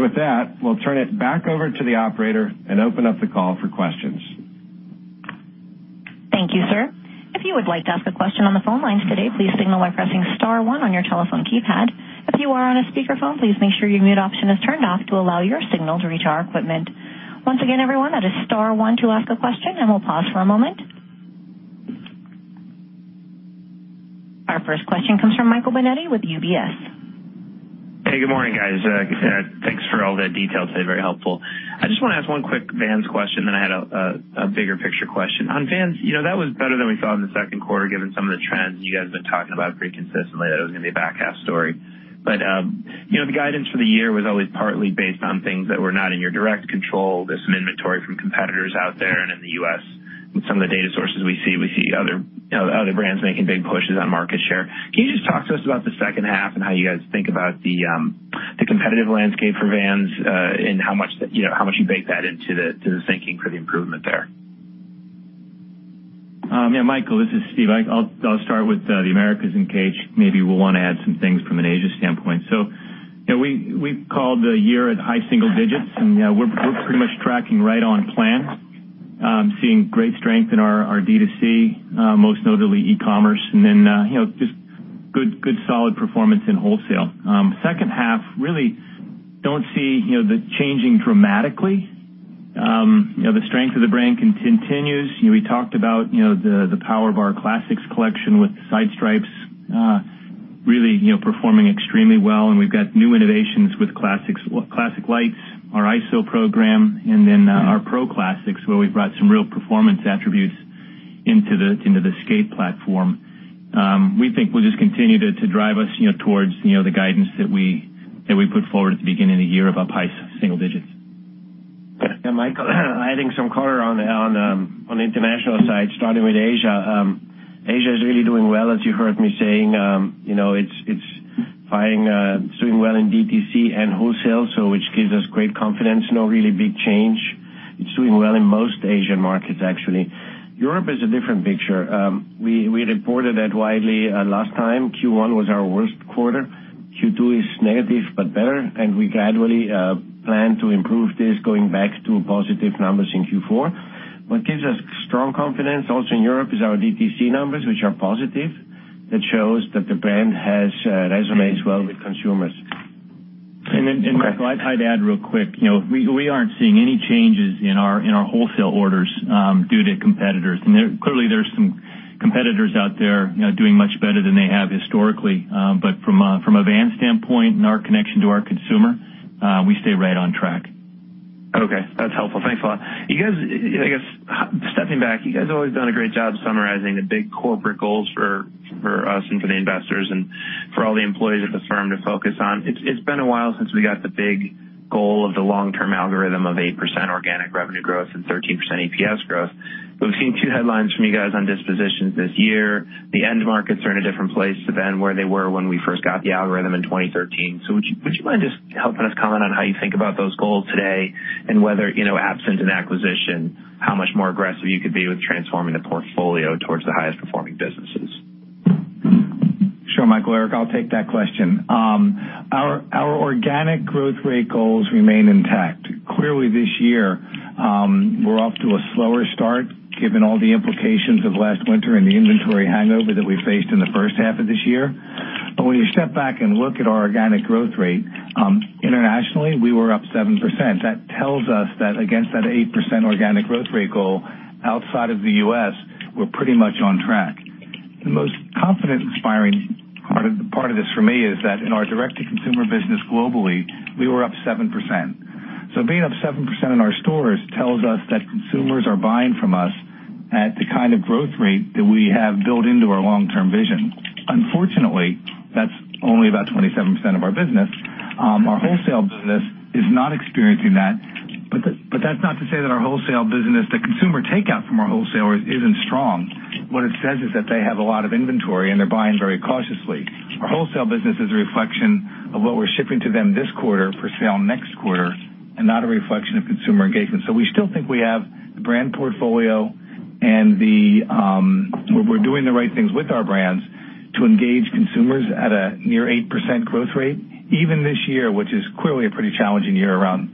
With that, we'll turn it back over to the operator and open up the call for questions. Thank you, sir. If you would like to ask a question on the phone lines today, please signal by pressing *1 on your telephone keypad. If you are on a speakerphone, please make sure your mute option is turned off to allow your signal to reach our equipment. Once again, everyone, that is *1 to ask a question, and we'll pause for a moment. Our first question comes from Michael Binetti with UBS. Hey, good morning, guys. Thanks for all the details today. Very helpful. I just want to ask one quick Vans question, then I had a bigger picture question. On Vans, that was better than we thought in the second quarter, given some of the trends you guys have been talking about pretty consistently, that it was going to be a back half story. The guidance for the year was always partly based on things that were not in your direct control. There's some inventory from competitors out there and in the U.S. In some of the data sources we see, we see other brands making big pushes on market share. Can you just talk to us about the second half and how you guys think about the competitive landscape for Vans, and how much you bake that into the thinking for the improvement there? Yeah, Michael, this is Steve. I'll start with the Americas, and Karl-Heinz, maybe will want to add some things from an Asia standpoint. We've called the year at high single digits, and we're pretty much tracking right on plan, seeing great strength in our D2C, most notably e-commerce, and then just good solid performance in wholesale. Second half, really don't see that changing dramatically. The strength of the brand continues. We talked about the power of our Classics collection with the Sidestripes really performing extremely well. We've got new innovations with Classics Lites, our ISO program, and then our Pro Classics, where we've brought some real performance attributes into the skate platform. We think we'll just continue to drive us towards the guidance that we put forward at the beginning of the year of up high single digits. Michael, adding some color on the international side, starting with Asia. Asia is really doing well, as you heard me saying. It's doing well in DTC and wholesale, which gives us great confidence. No really big change. It's doing well in most Asian markets, actually. Europe is a different picture. We reported that widely last time. Q1 was our worst quarter. Q2 is negative but better. We gradually plan to improve this, going back to positive numbers in Q4. What gives us strong confidence also in Europe is our DTC numbers, which are positive. That shows that the brand resonates well with consumers. Michael, I'd add real quick, we aren't seeing any changes in our wholesale orders due to competitors. Clearly, there's some competitors out there doing much better than they have historically. From a Vans standpoint and our connection to our consumer, we stay right on track. Okay. That's helpful. Thanks a lot. Stepping back, you guys have always done a great job summarizing the big corporate goals for us and for the investors and for all the employees at the firm to focus on. It's been a while since we got the big goal of the long-term algorithm of 8% organic revenue growth and 13% EPS growth. We've seen two headlines from you guys on dispositions this year. The end markets are in a different place than where they were when we first got the algorithm in 2013. Would you mind just helping us comment on how you think about those goals today and whether, absent an acquisition, how much more aggressive you could be with transforming the portfolio towards the highest performing businesses? Sure, Michael. Eric, I'll take that question. Our organic growth rate goals remain intact. Clearly, this year, we're off to a slower start given all the implications of last winter and the inventory hangover that we faced in the first half of this year. When you step back and look at our organic growth rate, internationally, we were up 7%. That tells us that against that 8% organic growth rate goal, outside of the U.S., we're pretty much on track. The most confidence-inspiring part of this for me is that in our direct-to-consumer business globally, we were up 7%. Being up 7% in our stores tells us that consumers are buying from us at the kind of growth rate that we have built into our long-term vision. Unfortunately, that's only about 27% of our business. Our wholesale business is not experiencing that. That's not to say that our wholesale business, the consumer takeout from our wholesalers isn't strong. It says that they have a lot of inventory and they're buying very cautiously. Our wholesale business is a reflection of what we're shipping to them this quarter for sale next quarter and not a reflection of consumer engagement. We still think we have the brand portfolio and the We're doing the right things with our brands to engage consumers at a near 8% growth rate even this year, which is clearly a pretty challenging year around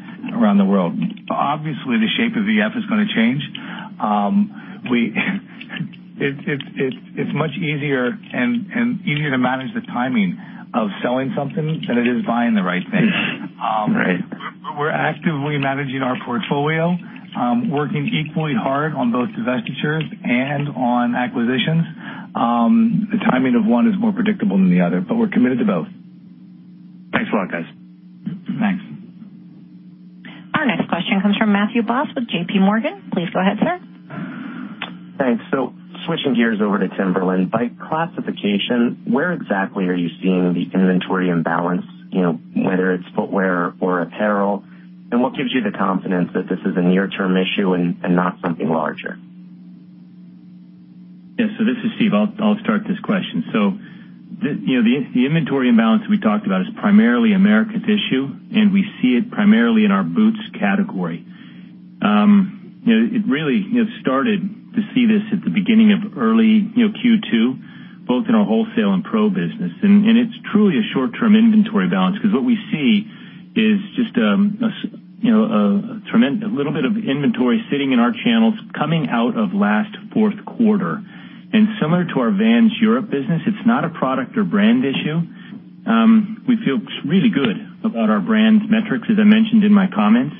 the world. Obviously, the shape of V.F. is going to change. It's much easier to manage the timing of selling something than it is buying the right thing. Right. We're actively managing our portfolio, working equally hard on both divestitures and on acquisitions. The timing of one is more predictable than the other. We're committed to both. Thanks a lot, guys. Thanks. Our next question comes from Matthew Boss with JPMorgan. Please go ahead, sir. Thanks. Switching gears over to Timberland. By classification, where exactly are you seeing the inventory imbalance, whether it's footwear or apparel? What gives you the confidence that this is a near-term issue and not something larger? Yeah. This is Steve, I'll start this question. The inventory imbalance we talked about is primarily Americas issue, and we see it primarily in our boots category. It really started to see this at the beginning of early Q2, both in our wholesale and pro business. It's truly a short-term inventory balance because what we see is just a little bit of inventory sitting in our channels coming out of last fourth quarter. Similar to our Vans Europe business, it's not a product or brand issue. We feel really good about our brand metrics, as I mentioned in my comments.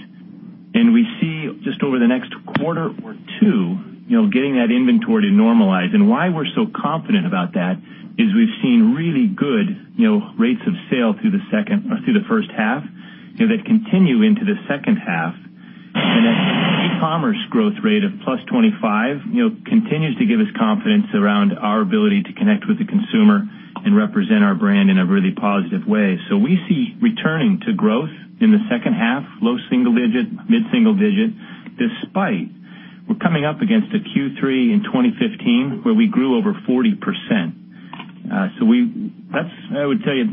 We see just over the next quarter or two, getting that inventory to normalize. Why we're so confident about that is we've seen really good rates of sale through the first half, that continue into the second half. That e-commerce growth rate of plus 25%, continues to give us confidence around our ability to connect with the consumer and represent our brand in a really positive way. We see returning to growth in the second half, low single digit, mid-single digit, despite we're coming up against a Q3 in 2015 where we grew over 40%. That, I would tell you,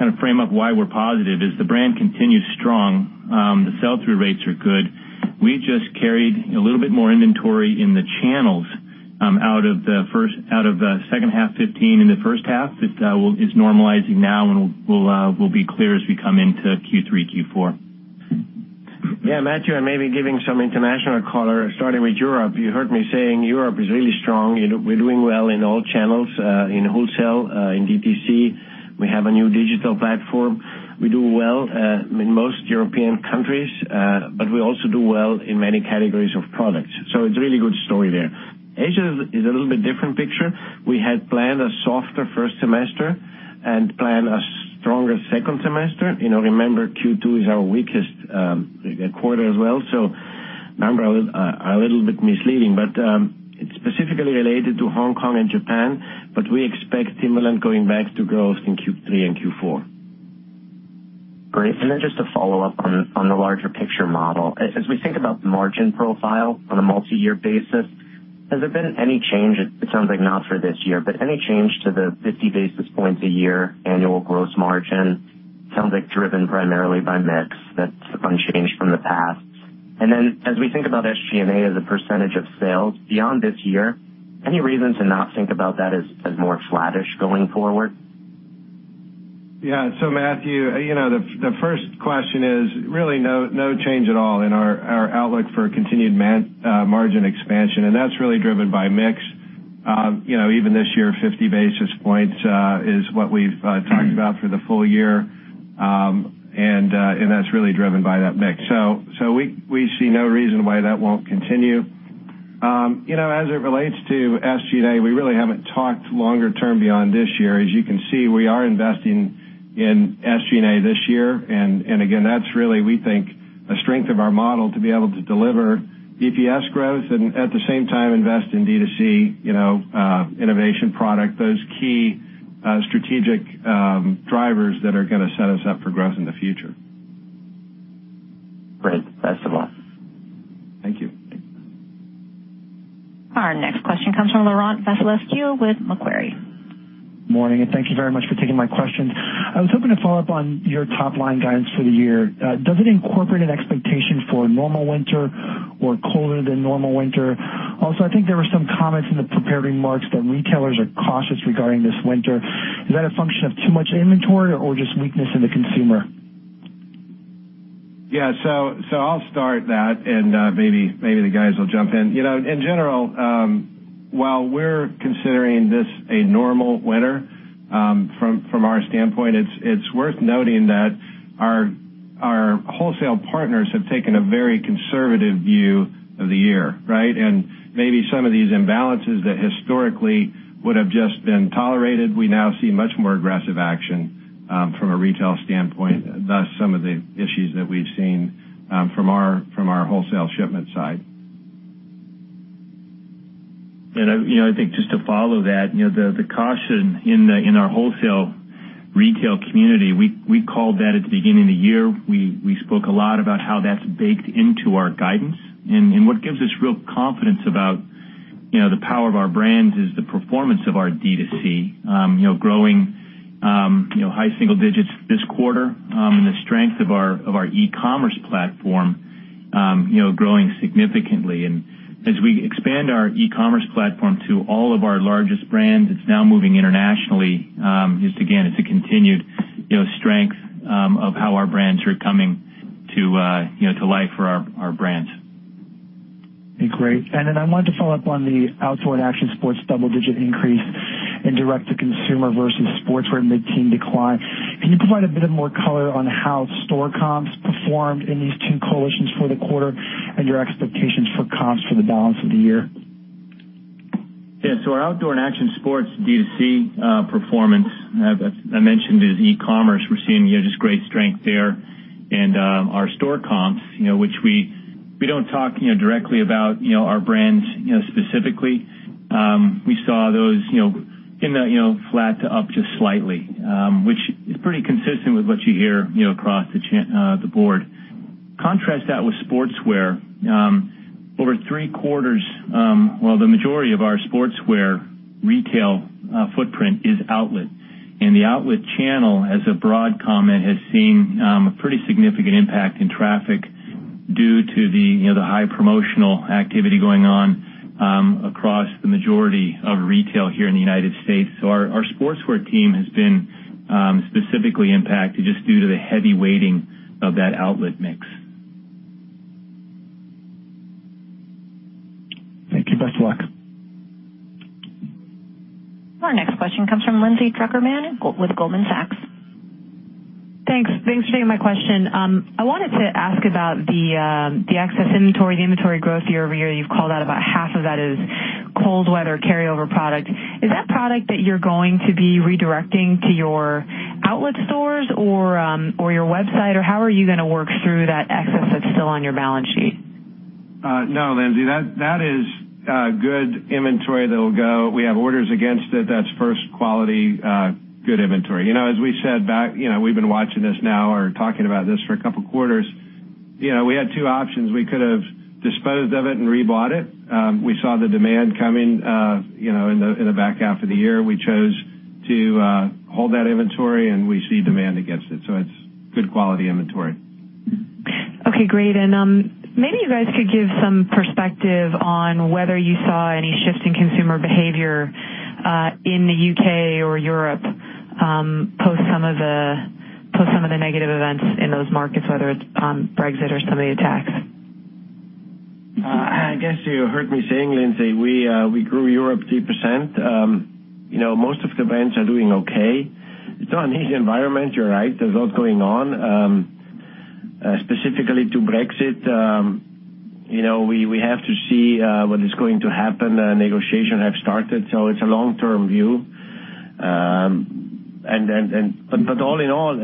kind of frame up why we're positive is the brand continues strong. The sell-through rates are good. We just carried a little bit more inventory in the channels out of the second half 2015 and the first half. It's normalizing now and will be clear as we come into Q3, Q4. Matthew, maybe giving some international color, starting with Europe. You heard me saying Europe is really strong. We're doing well in all channels, in wholesale, in DTC. We have a new digital platform. We do well in most European countries, we also do well in many categories of products. It's a really good story there. Asia is a little bit different picture. We had planned a softer first semester and planned a stronger second semester. Remember, Q2 is our weakest quarter as well. Remember, a little bit misleading, it's specifically related to Hong Kong and Japan, we expect Timberland going back to growth in Q3 and Q4. Great. Then just to follow up on the larger picture model. As we think about margin profile on a multi-year basis, has there been any change, it sounds like not for this year, any change to the 50 basis points a year annual gross margin? It sounds like driven primarily by mix that's unchanged from the past. Then as we think about SG&A as a % of sales beyond this year, any reason to not think about that as more flattish going forward? Matthew, the first question is really no change at all in our outlook for continued margin expansion. That's really driven by mix. Even this year, 50 basis points is what we've talked about for the full year. That's really driven by that mix. We see no reason why that won't continue. As it relates to SG&A, we really haven't talked longer term beyond this year. As you can see, we are investing in SG&A this year. Again, that's really, we think, a strength of our model to be able to deliver EPS growth and at the same time invest in D2C innovation product, those key strategic drivers that are going to set us up for growth in the future. Great. Best of luck. Thank you. Our next question comes from Laurent Vasilescu with Macquarie. Morning, thank you very much for taking my questions. I was hoping to follow up on your top-line guidance for the year. Does it incorporate an expectation for a normal winter or colder than normal winter? Also, I think there were some comments in the prepared remarks that retailers are cautious regarding this winter. Is that a function of too much inventory or just weakness in the consumer? I'll start that maybe the guys will jump in. In general, while we're considering this a normal winter from our standpoint, it's worth noting that our wholesale partners have taken a very conservative view of the year, right? Maybe some of these imbalances that historically would have just been tolerated, we now see much more aggressive action from a retail standpoint, thus some of the issues that we've seen from our wholesale shipment side. I think just to follow that, the caution in our wholesale retail community, we called that at the beginning of the year. We spoke a lot about how that's baked into our guidance. What gives us real confidence about the power of our brands is the performance of our D2C. Growing high single digits this quarter and the strength of our e-commerce platform growing significantly. As we expand our e-commerce platform to all of our largest brands, it's now moving internationally. Again, it's a continued strength of how our brands are coming to life for our brands. Great. I wanted to follow up on the Outdoor & Action Sports double-digit increase in direct-to-consumer versus Sportswear mid-teen decline. Can you provide a bit more color on how store comps performed in these two coalitions for the quarter and your expectations for comps for the balance of the year? Our Outdoor & Action Sports D2C performance, I mentioned is e-commerce. We're seeing just great strength there. Our store comps, which we don't talk directly about our brands specifically. We saw those in the flat to up just slightly, which is pretty consistent with what you hear across the board. Contrast that with Sportswear. Over three quarters, well, the majority of our Sportswear retail footprint is outlet. The outlet channel, as a broad comment, has seen a pretty significant impact in traffic due to the high promotional activity going on across the majority of retail here in the U.S. Our Sportswear team has been specifically impacted just due to the heavy weighting of that outlet mix. Thank you. Best of luck. Our next question comes from Lindsay Drucker Mann with Goldman Sachs. Thanks for taking my question. I wanted to ask about the excess inventory, the inventory growth year-over-year. You've called out about half of that is cold weather carryover product. Is that product that you're going to be redirecting to your outlet stores or your website, or how are you going to work through that excess that's still on your balance sheet? No, Lindsay, that'll go. We have orders against it. That's first quality, good inventory. As we said, we've been watching this now or talking about this for a couple of quarters. We had two options. We could have disposed of it and rebought it. We saw the demand coming in the back half of the year. We chose to hold that inventory, and we see demand against it. It's good quality inventory. Okay, great. Maybe you guys could give some perspective on whether you saw any shift in consumer behavior in the U.K. or Europe, post some of the negative events in those markets, whether it's Brexit or some of the attacks. I guess you heard me saying, Lindsay, we grew Europe 3%. Most of the brands are doing okay. It's not an easy environment. You're right. There's a lot going on. Specifically to Brexit, we have to see what is going to happen. Negotiation have started, it's a long-term view. All in all,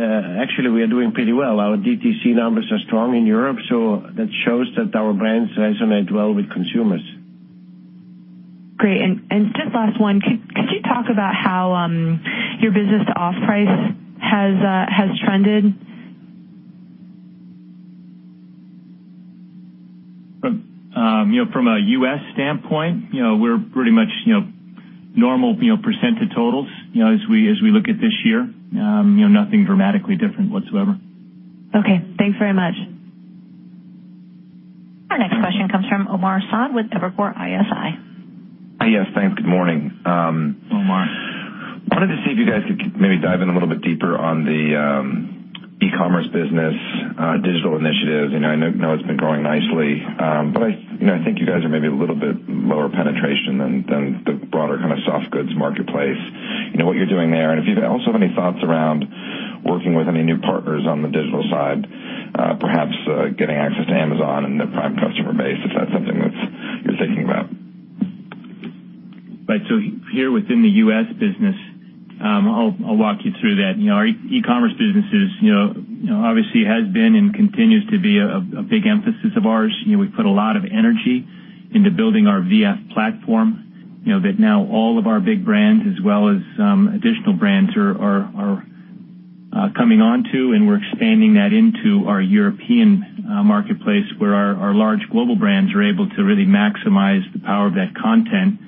actually, we are doing pretty well. Our DTC numbers are strong in Europe, that shows that our brands resonate well with consumers. Great. Just last one. Could you talk about how your business to off-price has trended? From a U.S. standpoint, we're pretty much normal % to totals as we look at this year. Nothing dramatically different whatsoever. Okay. Thanks very much. Our next question comes from Omar Saad with Evercore ISI. Yes, thanks. Good morning. Omar. Wanted to see if you guys could maybe dive in a little bit deeper on the e-commerce business digital initiatives. I know it's been growing nicely, but I think you guys are maybe a little bit lower penetration than the broader kind of soft goods marketplace. What you're doing there, and if you also have any thoughts around working with any new partners on the digital side, perhaps getting access to Amazon and their Prime customer base, if that's something that you're thinking about. Right. Here within the U.S. business, I'll walk you through that. Our e-commerce businesses obviously has been and continues to be a big emphasis of ours. We put a lot of energy into building our VF platform that now all of our big brands as well as additional brands are coming on to, and we're expanding that into our European marketplace where our large global brands are able to really maximize the power of that content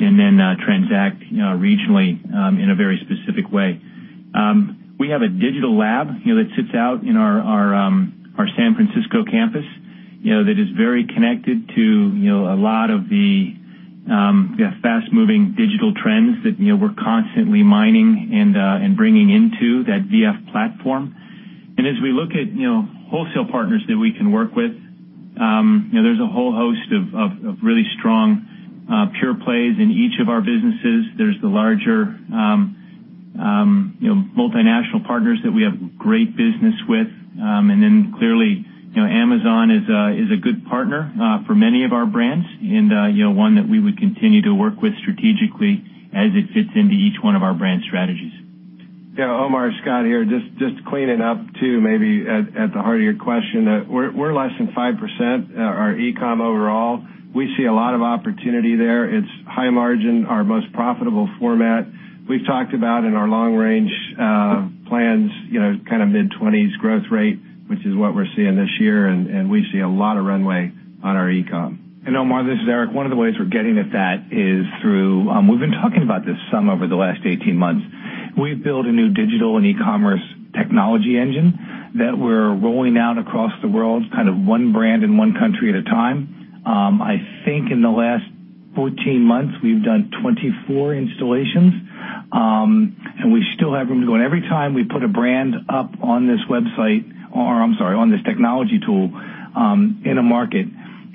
and then transact regionally in a very specific way. We have a digital lab that sits out in our San Francisco campus that is very connected to a lot of the fast-moving digital trends that we're constantly mining and bringing into that VF platform. As we look at wholesale partners that we can work with, there's a whole host of really strong pure plays in each of our businesses. There's the larger multinational partners that we have great business with. Then clearly, Amazon is a good partner for many of our brands and one that we would continue to work with strategically as it fits into each one of our brand strategies. Yeah. Omar, Scott here. Just cleaning up too, maybe at the heart of your question, we're less than 5% our e-com overall. We see a lot of opportunity there. It's high margin, our most profitable format. We've talked about in our long range plans, kind of mid 20s growth rate, which is what we're seeing this year, and we see a lot of runway on our e-com. Omar, this is Eric. One of the ways we're getting at that is through We've been talking about this some over the last 18 months. We've built a new digital and e-commerce technology engine that we're rolling out across the world, kind of one brand and one country at a time. I think in the last 14 months, we've done 24 installations. We still have room to go. Every time we put a brand up on this website, or I'm sorry, on this technology tool, in a market,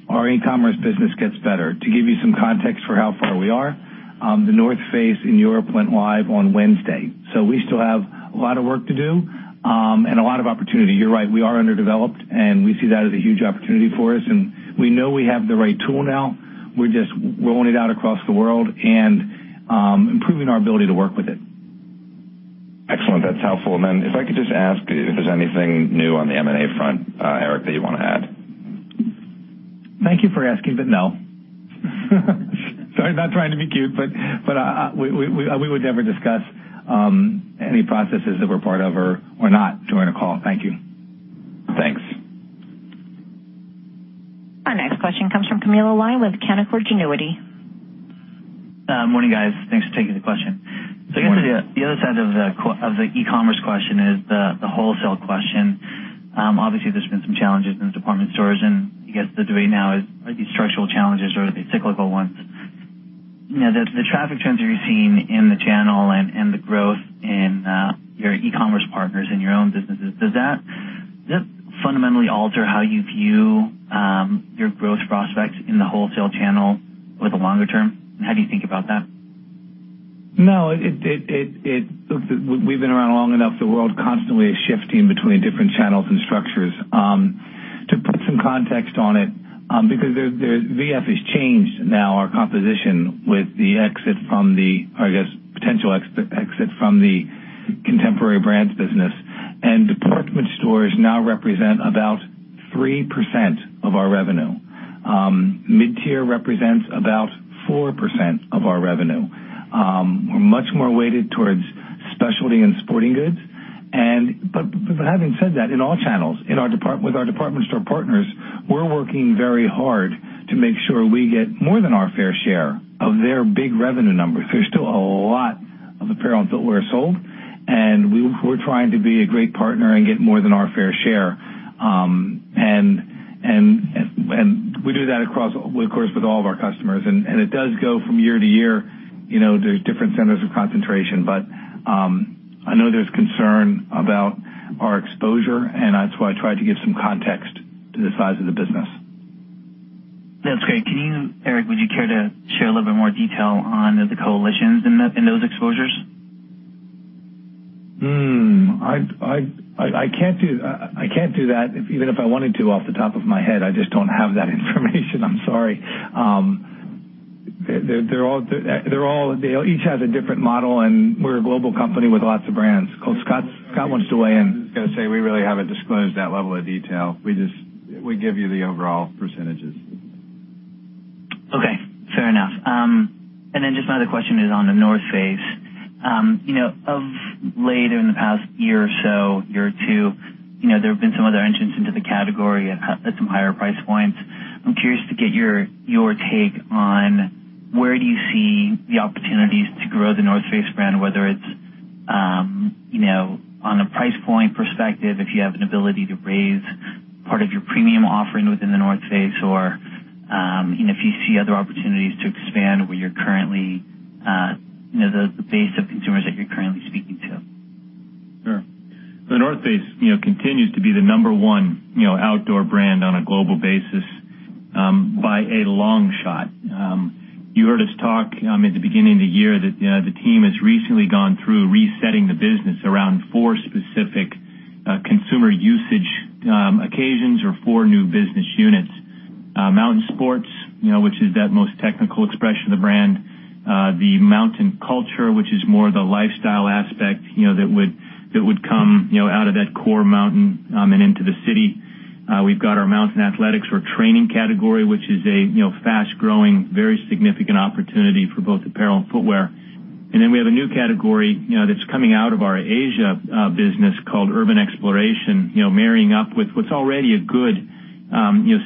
our e-commerce business gets better. To give you some context for how far we are, The North Face in Europe went live on Wednesday. We still have a lot of work to do, and a lot of opportunity. You're right, we are underdeveloped, and we see that as a huge opportunity for us, and we know we have the right tool now. We're just rolling it out across the world and, improving our ability to work with it. Excellent. That's helpful. If I could just ask if there's anything new on the M&A front, Eric, that you want to add? Thank you for asking, but no. Sorry, not trying to be cute, but, we would never discuss any processes that we're part of or not during a call. Thank you. Thanks. Our next question comes from Camilo Lyon with Canaccord Genuity. Morning, guys. Thanks for taking the question. Morning. I guess the other side of the e-commerce question is the wholesale question. Obviously, there's been some challenges in department stores. I guess the debate now is, are these structural challenges or are they cyclical ones? The traffic trends that you're seeing in the channel and the growth in your e-commerce partners in your own businesses, does that fundamentally alter how you view your growth prospects in the wholesale channel over the longer term? How do you think about that? No, we've been around long enough. The world constantly is shifting between different channels and structures. To put some context on it, because V.F. has changed now our composition with the exit from the or I guess, potential exit from the Contemporary Brands business. Department stores now represent about 3% of our revenue. Mid-tier represents about 4% of our revenue. We're much more weighted towards specialty and sporting goods. Having said that, in all channels, with our department store partners, we're working very hard to make sure we get more than our fair share of their big revenue numbers. There's still a lot of apparel and footwear sold. We're trying to be a great partner and get more than our fair share. We do that across, well, of course, with all of our customers. It does go from year to year. There's different centers of concentration. I know there's concern about our exposure. That's why I tried to give some context to the size of the business. That's great. Eric, would you care to share a little bit more detail on the Coalitions in those exposures? I can't do that even if I wanted to off the top of my head. I just don't have that information. I'm sorry. They each have a different model, we're a global company with lots of brands. Scott wants to weigh in. I'm going to say we really haven't disclosed that level of detail. We give you the overall percentages. Okay, fair enough. Just my other question is on The North Face. Of late in the past year or so, year or two, there have been some other entrants into the category at some higher price points. I'm curious to get your take on where do you see the opportunities to grow The North Face brand, whether it's on a price point perspective, if you have an ability to raise part of your premium offering within The North Face or if you see other opportunities to expand where the base of consumers that you're currently speaking to. Sure. The North Face continues to be the number one outdoor brand on a global basis, by a long shot. You heard us talk, at the beginning of the year that the team has recently gone through resetting the business around four specific consumer usage occasions or four new business units. Mountain Sports, which is that most technical expression of the brand. The Mountain Culture, which is more the lifestyle aspect that would come out of that core mountain, and into the city. We've got our Mountain Athletics or training category, which is a fast-growing, very significant opportunity for both apparel and footwear. Then we have a new category that's coming out of our Asia business called Urban Exploration. Marrying up with what's already a good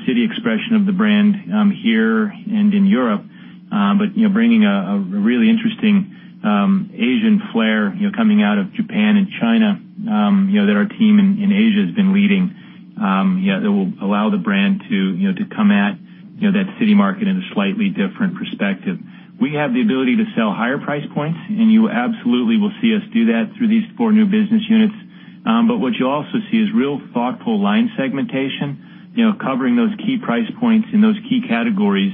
city expression of the brand, here and in Europe. Bringing a really interesting Asian flare coming out of Japan and China, that our team in Asia has been leading, that will allow the brand to come at that city market in a slightly different perspective. We have the ability to sell higher price points, and you absolutely will see us do that through these four new business units. But what you'll also see is real thoughtful line segmentation, covering those key price points and those key categories,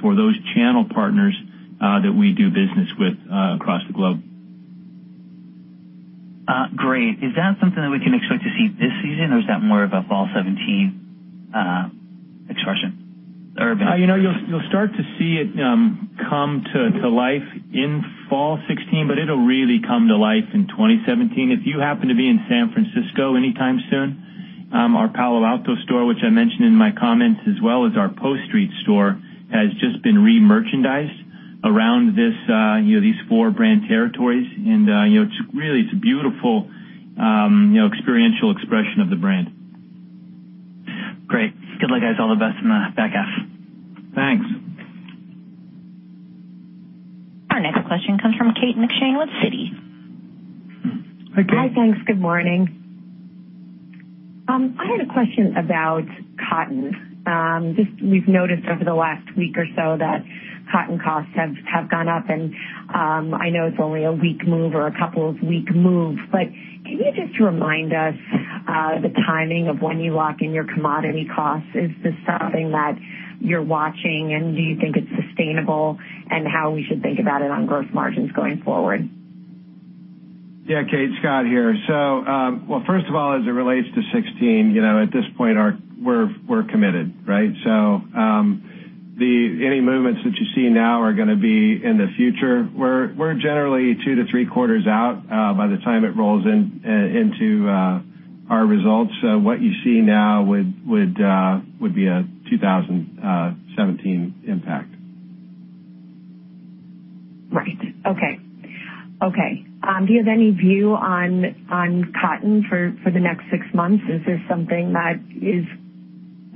for those channel partners that we do business with across the globe. Great. Is that something that we can expect to see this season or is that more of a fall 2017 expression? Urban You'll start to see it come to life in fall 2016, but it'll really come to life in 2017. If you happen to be in San Francisco anytime soon, our Palo Alto store, which I mentioned in my comments, as well as our Post Street store, has just been re-merchandised around these four brand territories. And really it's a beautiful experiential expression of the brand. Great. Good luck, guys. All the best in the back half. Thanks. Our next question comes from Kate McShane with Citi. Hi, Kate. Hi, thanks. Good morning. I had a question about cotton. We've noticed over the last week or so that cotton costs have gone up, and I know it's only a week move or a couple of week moves, but can you just remind us the timing of when you lock in your commodity costs? Is this something that you're watching, and do you think it's sustainable and how we should think about it on gross margins going forward? Yeah. Kate, Scott here. First of all, as it relates to 2016, at this point, we're committed, right? Any movements that you see now are going to be in the future. We're generally two to three quarters out by the time it rolls into our results. What you see now would be a 2017 impact. Right. Okay. Do you have any view on cotton for the next six months? Is this something that is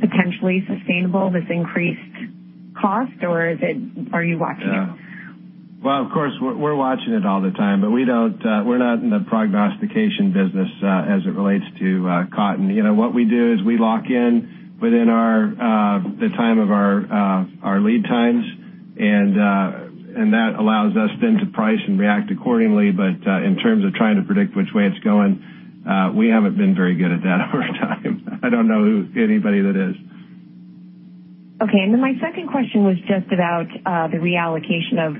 potentially sustainable, this increased cost, or are you watching it? Well, of course, we're watching it all the time, but we're not in the prognostication business as it relates to cotton. What we do is we lock in within the time of our lead times, and that allows us then to price and react accordingly. In terms of trying to predict which way it's going, we haven't been very good at that over time. I don't know anybody that is. Okay. My second question was just about the reallocation of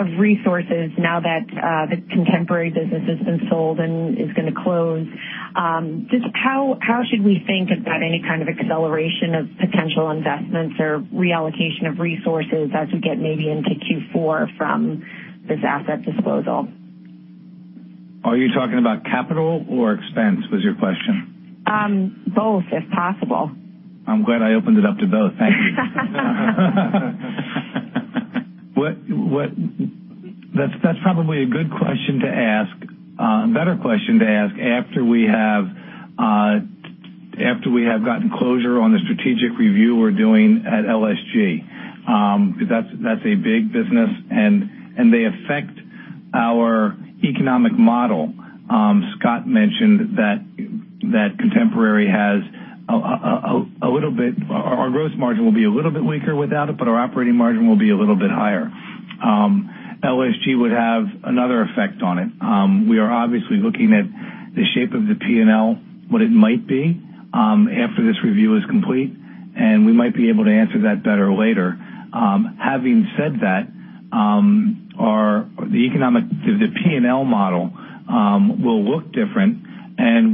resources now that the Contemporary Brands business has been sold and is going to close. Just how should we think about any kind of acceleration of potential investments or reallocation of resources as we get maybe into Q4 from this asset disposal? Are you talking about capital or expense, was your question? Both, if possible. I'm glad I opened it up to both. Thank you. That's probably a better question to ask after we have gotten closure on the strategic review we're doing at LSG. That's a big business, and they affect our economic model. Scott mentioned that Contemporary Brands. Our gross margin will be a little bit weaker without it, but our operating margin will be a little bit higher. LSG would have another effect on it. We are obviously looking at the shape of the P&L, what it might be after this review is complete. We might be able to answer that better later. Having said that, the P&L model will look different.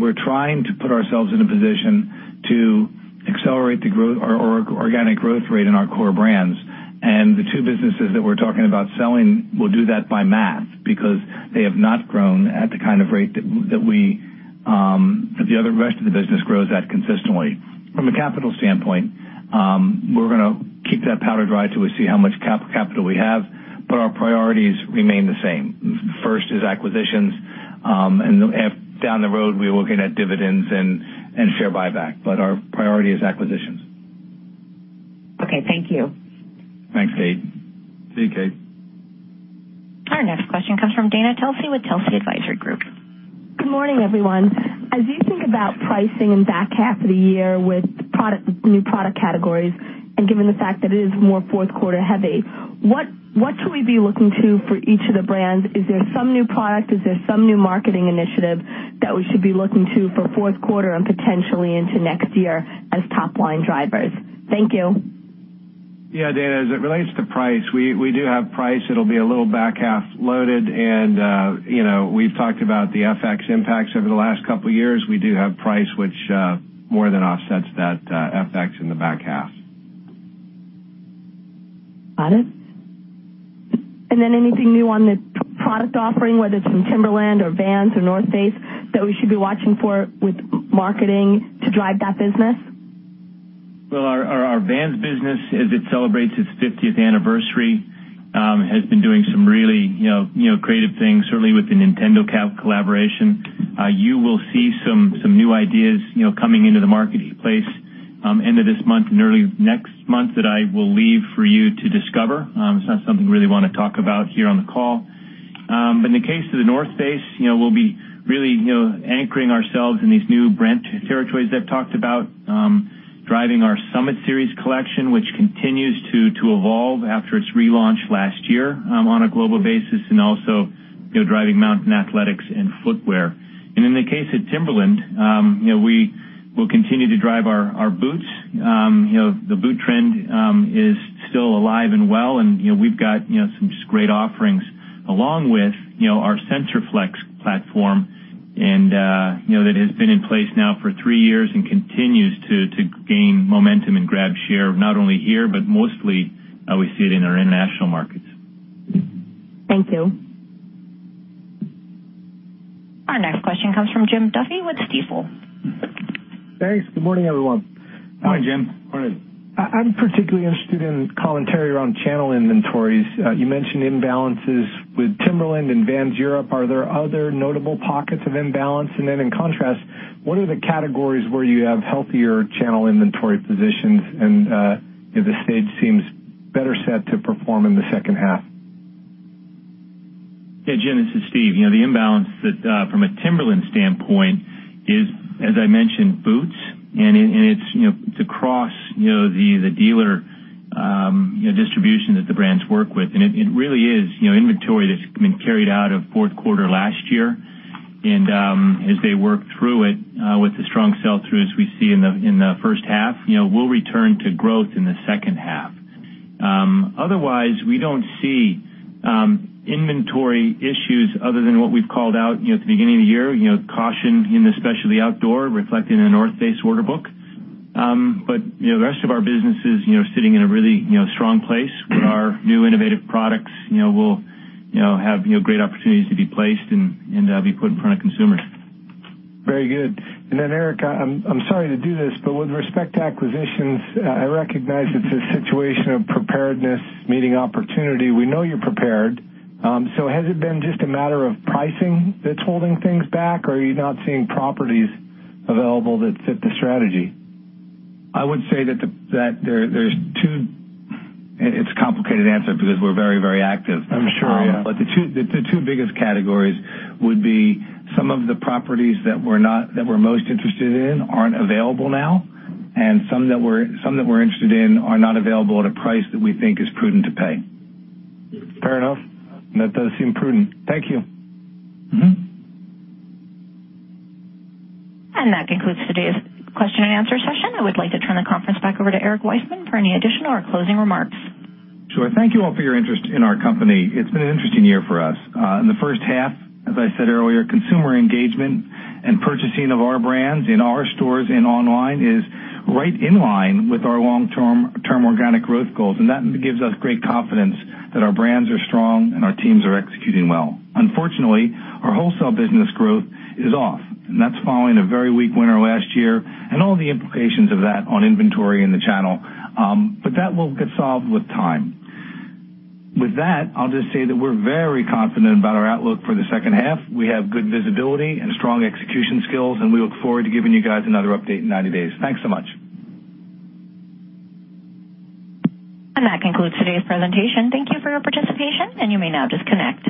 We're trying to put ourselves in a position to accelerate our organic growth rate in our core brands. The two businesses that we're talking about selling will do that by math because they have not grown at the kind of rate that the rest of the business grows at consistently. From a capital standpoint, we're going to keep that powder dry till we see how much capital we have, but our priorities remain the same. First is acquisitions. Down the road, we are looking at dividends and share buyback. Our priority is acquisitions. Okay. Thank you. Thanks, Kate. See you, Kate. Our next question comes from Dana Telsey with Telsey Advisory Group. Good morning, everyone. As you think about pricing in the back half of the year with new product categories, and given the fact that it is more fourth quarter heavy, what should we be looking to for each of the brands? Is there some new product, is there some new marketing initiative that we should be looking to for fourth quarter and potentially into next year as top-line drivers? Thank you. Yeah. Dana, as it relates to price, we do have price. It'll be a little back-half loaded and we've talked about the FX impacts over the last couple of years. We do have price which more than offsets that FX in the back half. Got it. Anything new on the product offering, whether it's from Timberland or Vans or The North Face, that we should be watching for with marketing to drive that business? Well, our Vans business, as it celebrates its 50th anniversary, has been doing some really creative things, certainly with the Nintendo collaboration. You will see some new ideas coming into the marketplace end of this month and early next month that I will leave for you to discover. It's not something we really want to talk about here on the call. In the case of The North Face, we'll be really anchoring ourselves in these new brand territories I've talked about. Driving our Summit Series collection, which continues to evolve after its relaunch last year on a global basis, and also driving Mountain Athletics and footwear. In the case of Timberland, we will continue to drive our boots. The boot trend is still alive and well, and we've got some just great offerings along with our SensorFlex platform that has been in place now for three years and continues to gain momentum and grab share, not only here, but mostly we see it in our international markets. Thank you. Our next question comes from Jim Duffy with Stifel. Thanks. Good morning, everyone. Hi, Jim. Morning. I'm particularly interested in commentary around channel inventories. You mentioned imbalances with Timberland and Vans Europe. Are there other notable pockets of imbalance? In contrast, what are the categories where you have healthier channel inventory positions and the stage seems better set to perform in the second half? Yeah, Jim, this is Steve. The imbalance from a Timberland standpoint is, as I mentioned, boots, and it really is inventory that's been carried out of fourth quarter last year. As they work through it with the strong sell-through, as we see in the first half, we'll return to growth in the second half. Otherwise, we don't see inventory issues other than what we've called out at the beginning of the year, caution in especially outdoor reflecting in The North Face order book. The rest of our business is sitting in a really strong place with our new innovative products will have great opportunities to be placed and be put in front of consumers. Very good. Eric, I'm sorry to do this, but with respect to acquisitions, I recognize it's a situation of preparedness meeting opportunity. We know you're prepared. Has it been just a matter of pricing that's holding things back, or are you not seeing properties available that fit the strategy? It's a complicated answer because we're very active. I'm sure, yeah. The two biggest categories would be some of the properties that we're most interested in aren't available now, and some that we're interested in are not available at a price that we think is prudent to pay. Fair enough. That does seem prudent. Thank you. That concludes today's question and answer session. I would like to turn the conference back over to Eric Wiseman for any additional or closing remarks. Sure. Thank you all for your interest in our company. It's been an interesting year for us. In the first half, as I said earlier, consumer engagement and purchasing of our brands in our stores and online is right in line with our long-term organic growth goals. That gives us great confidence that our brands are strong and our teams are executing well. Unfortunately, our wholesale business growth is off, and that's following a very weak winter last year and all the implications of that on inventory in the channel. That will get solved with time. With that, I'll just say that we're very confident about our outlook for the second half. We have good visibility and strong execution skills, and we look forward to giving you guys another update in 90 days. Thanks so much. That concludes today's presentation. Thank you for your participation, and you may now disconnect.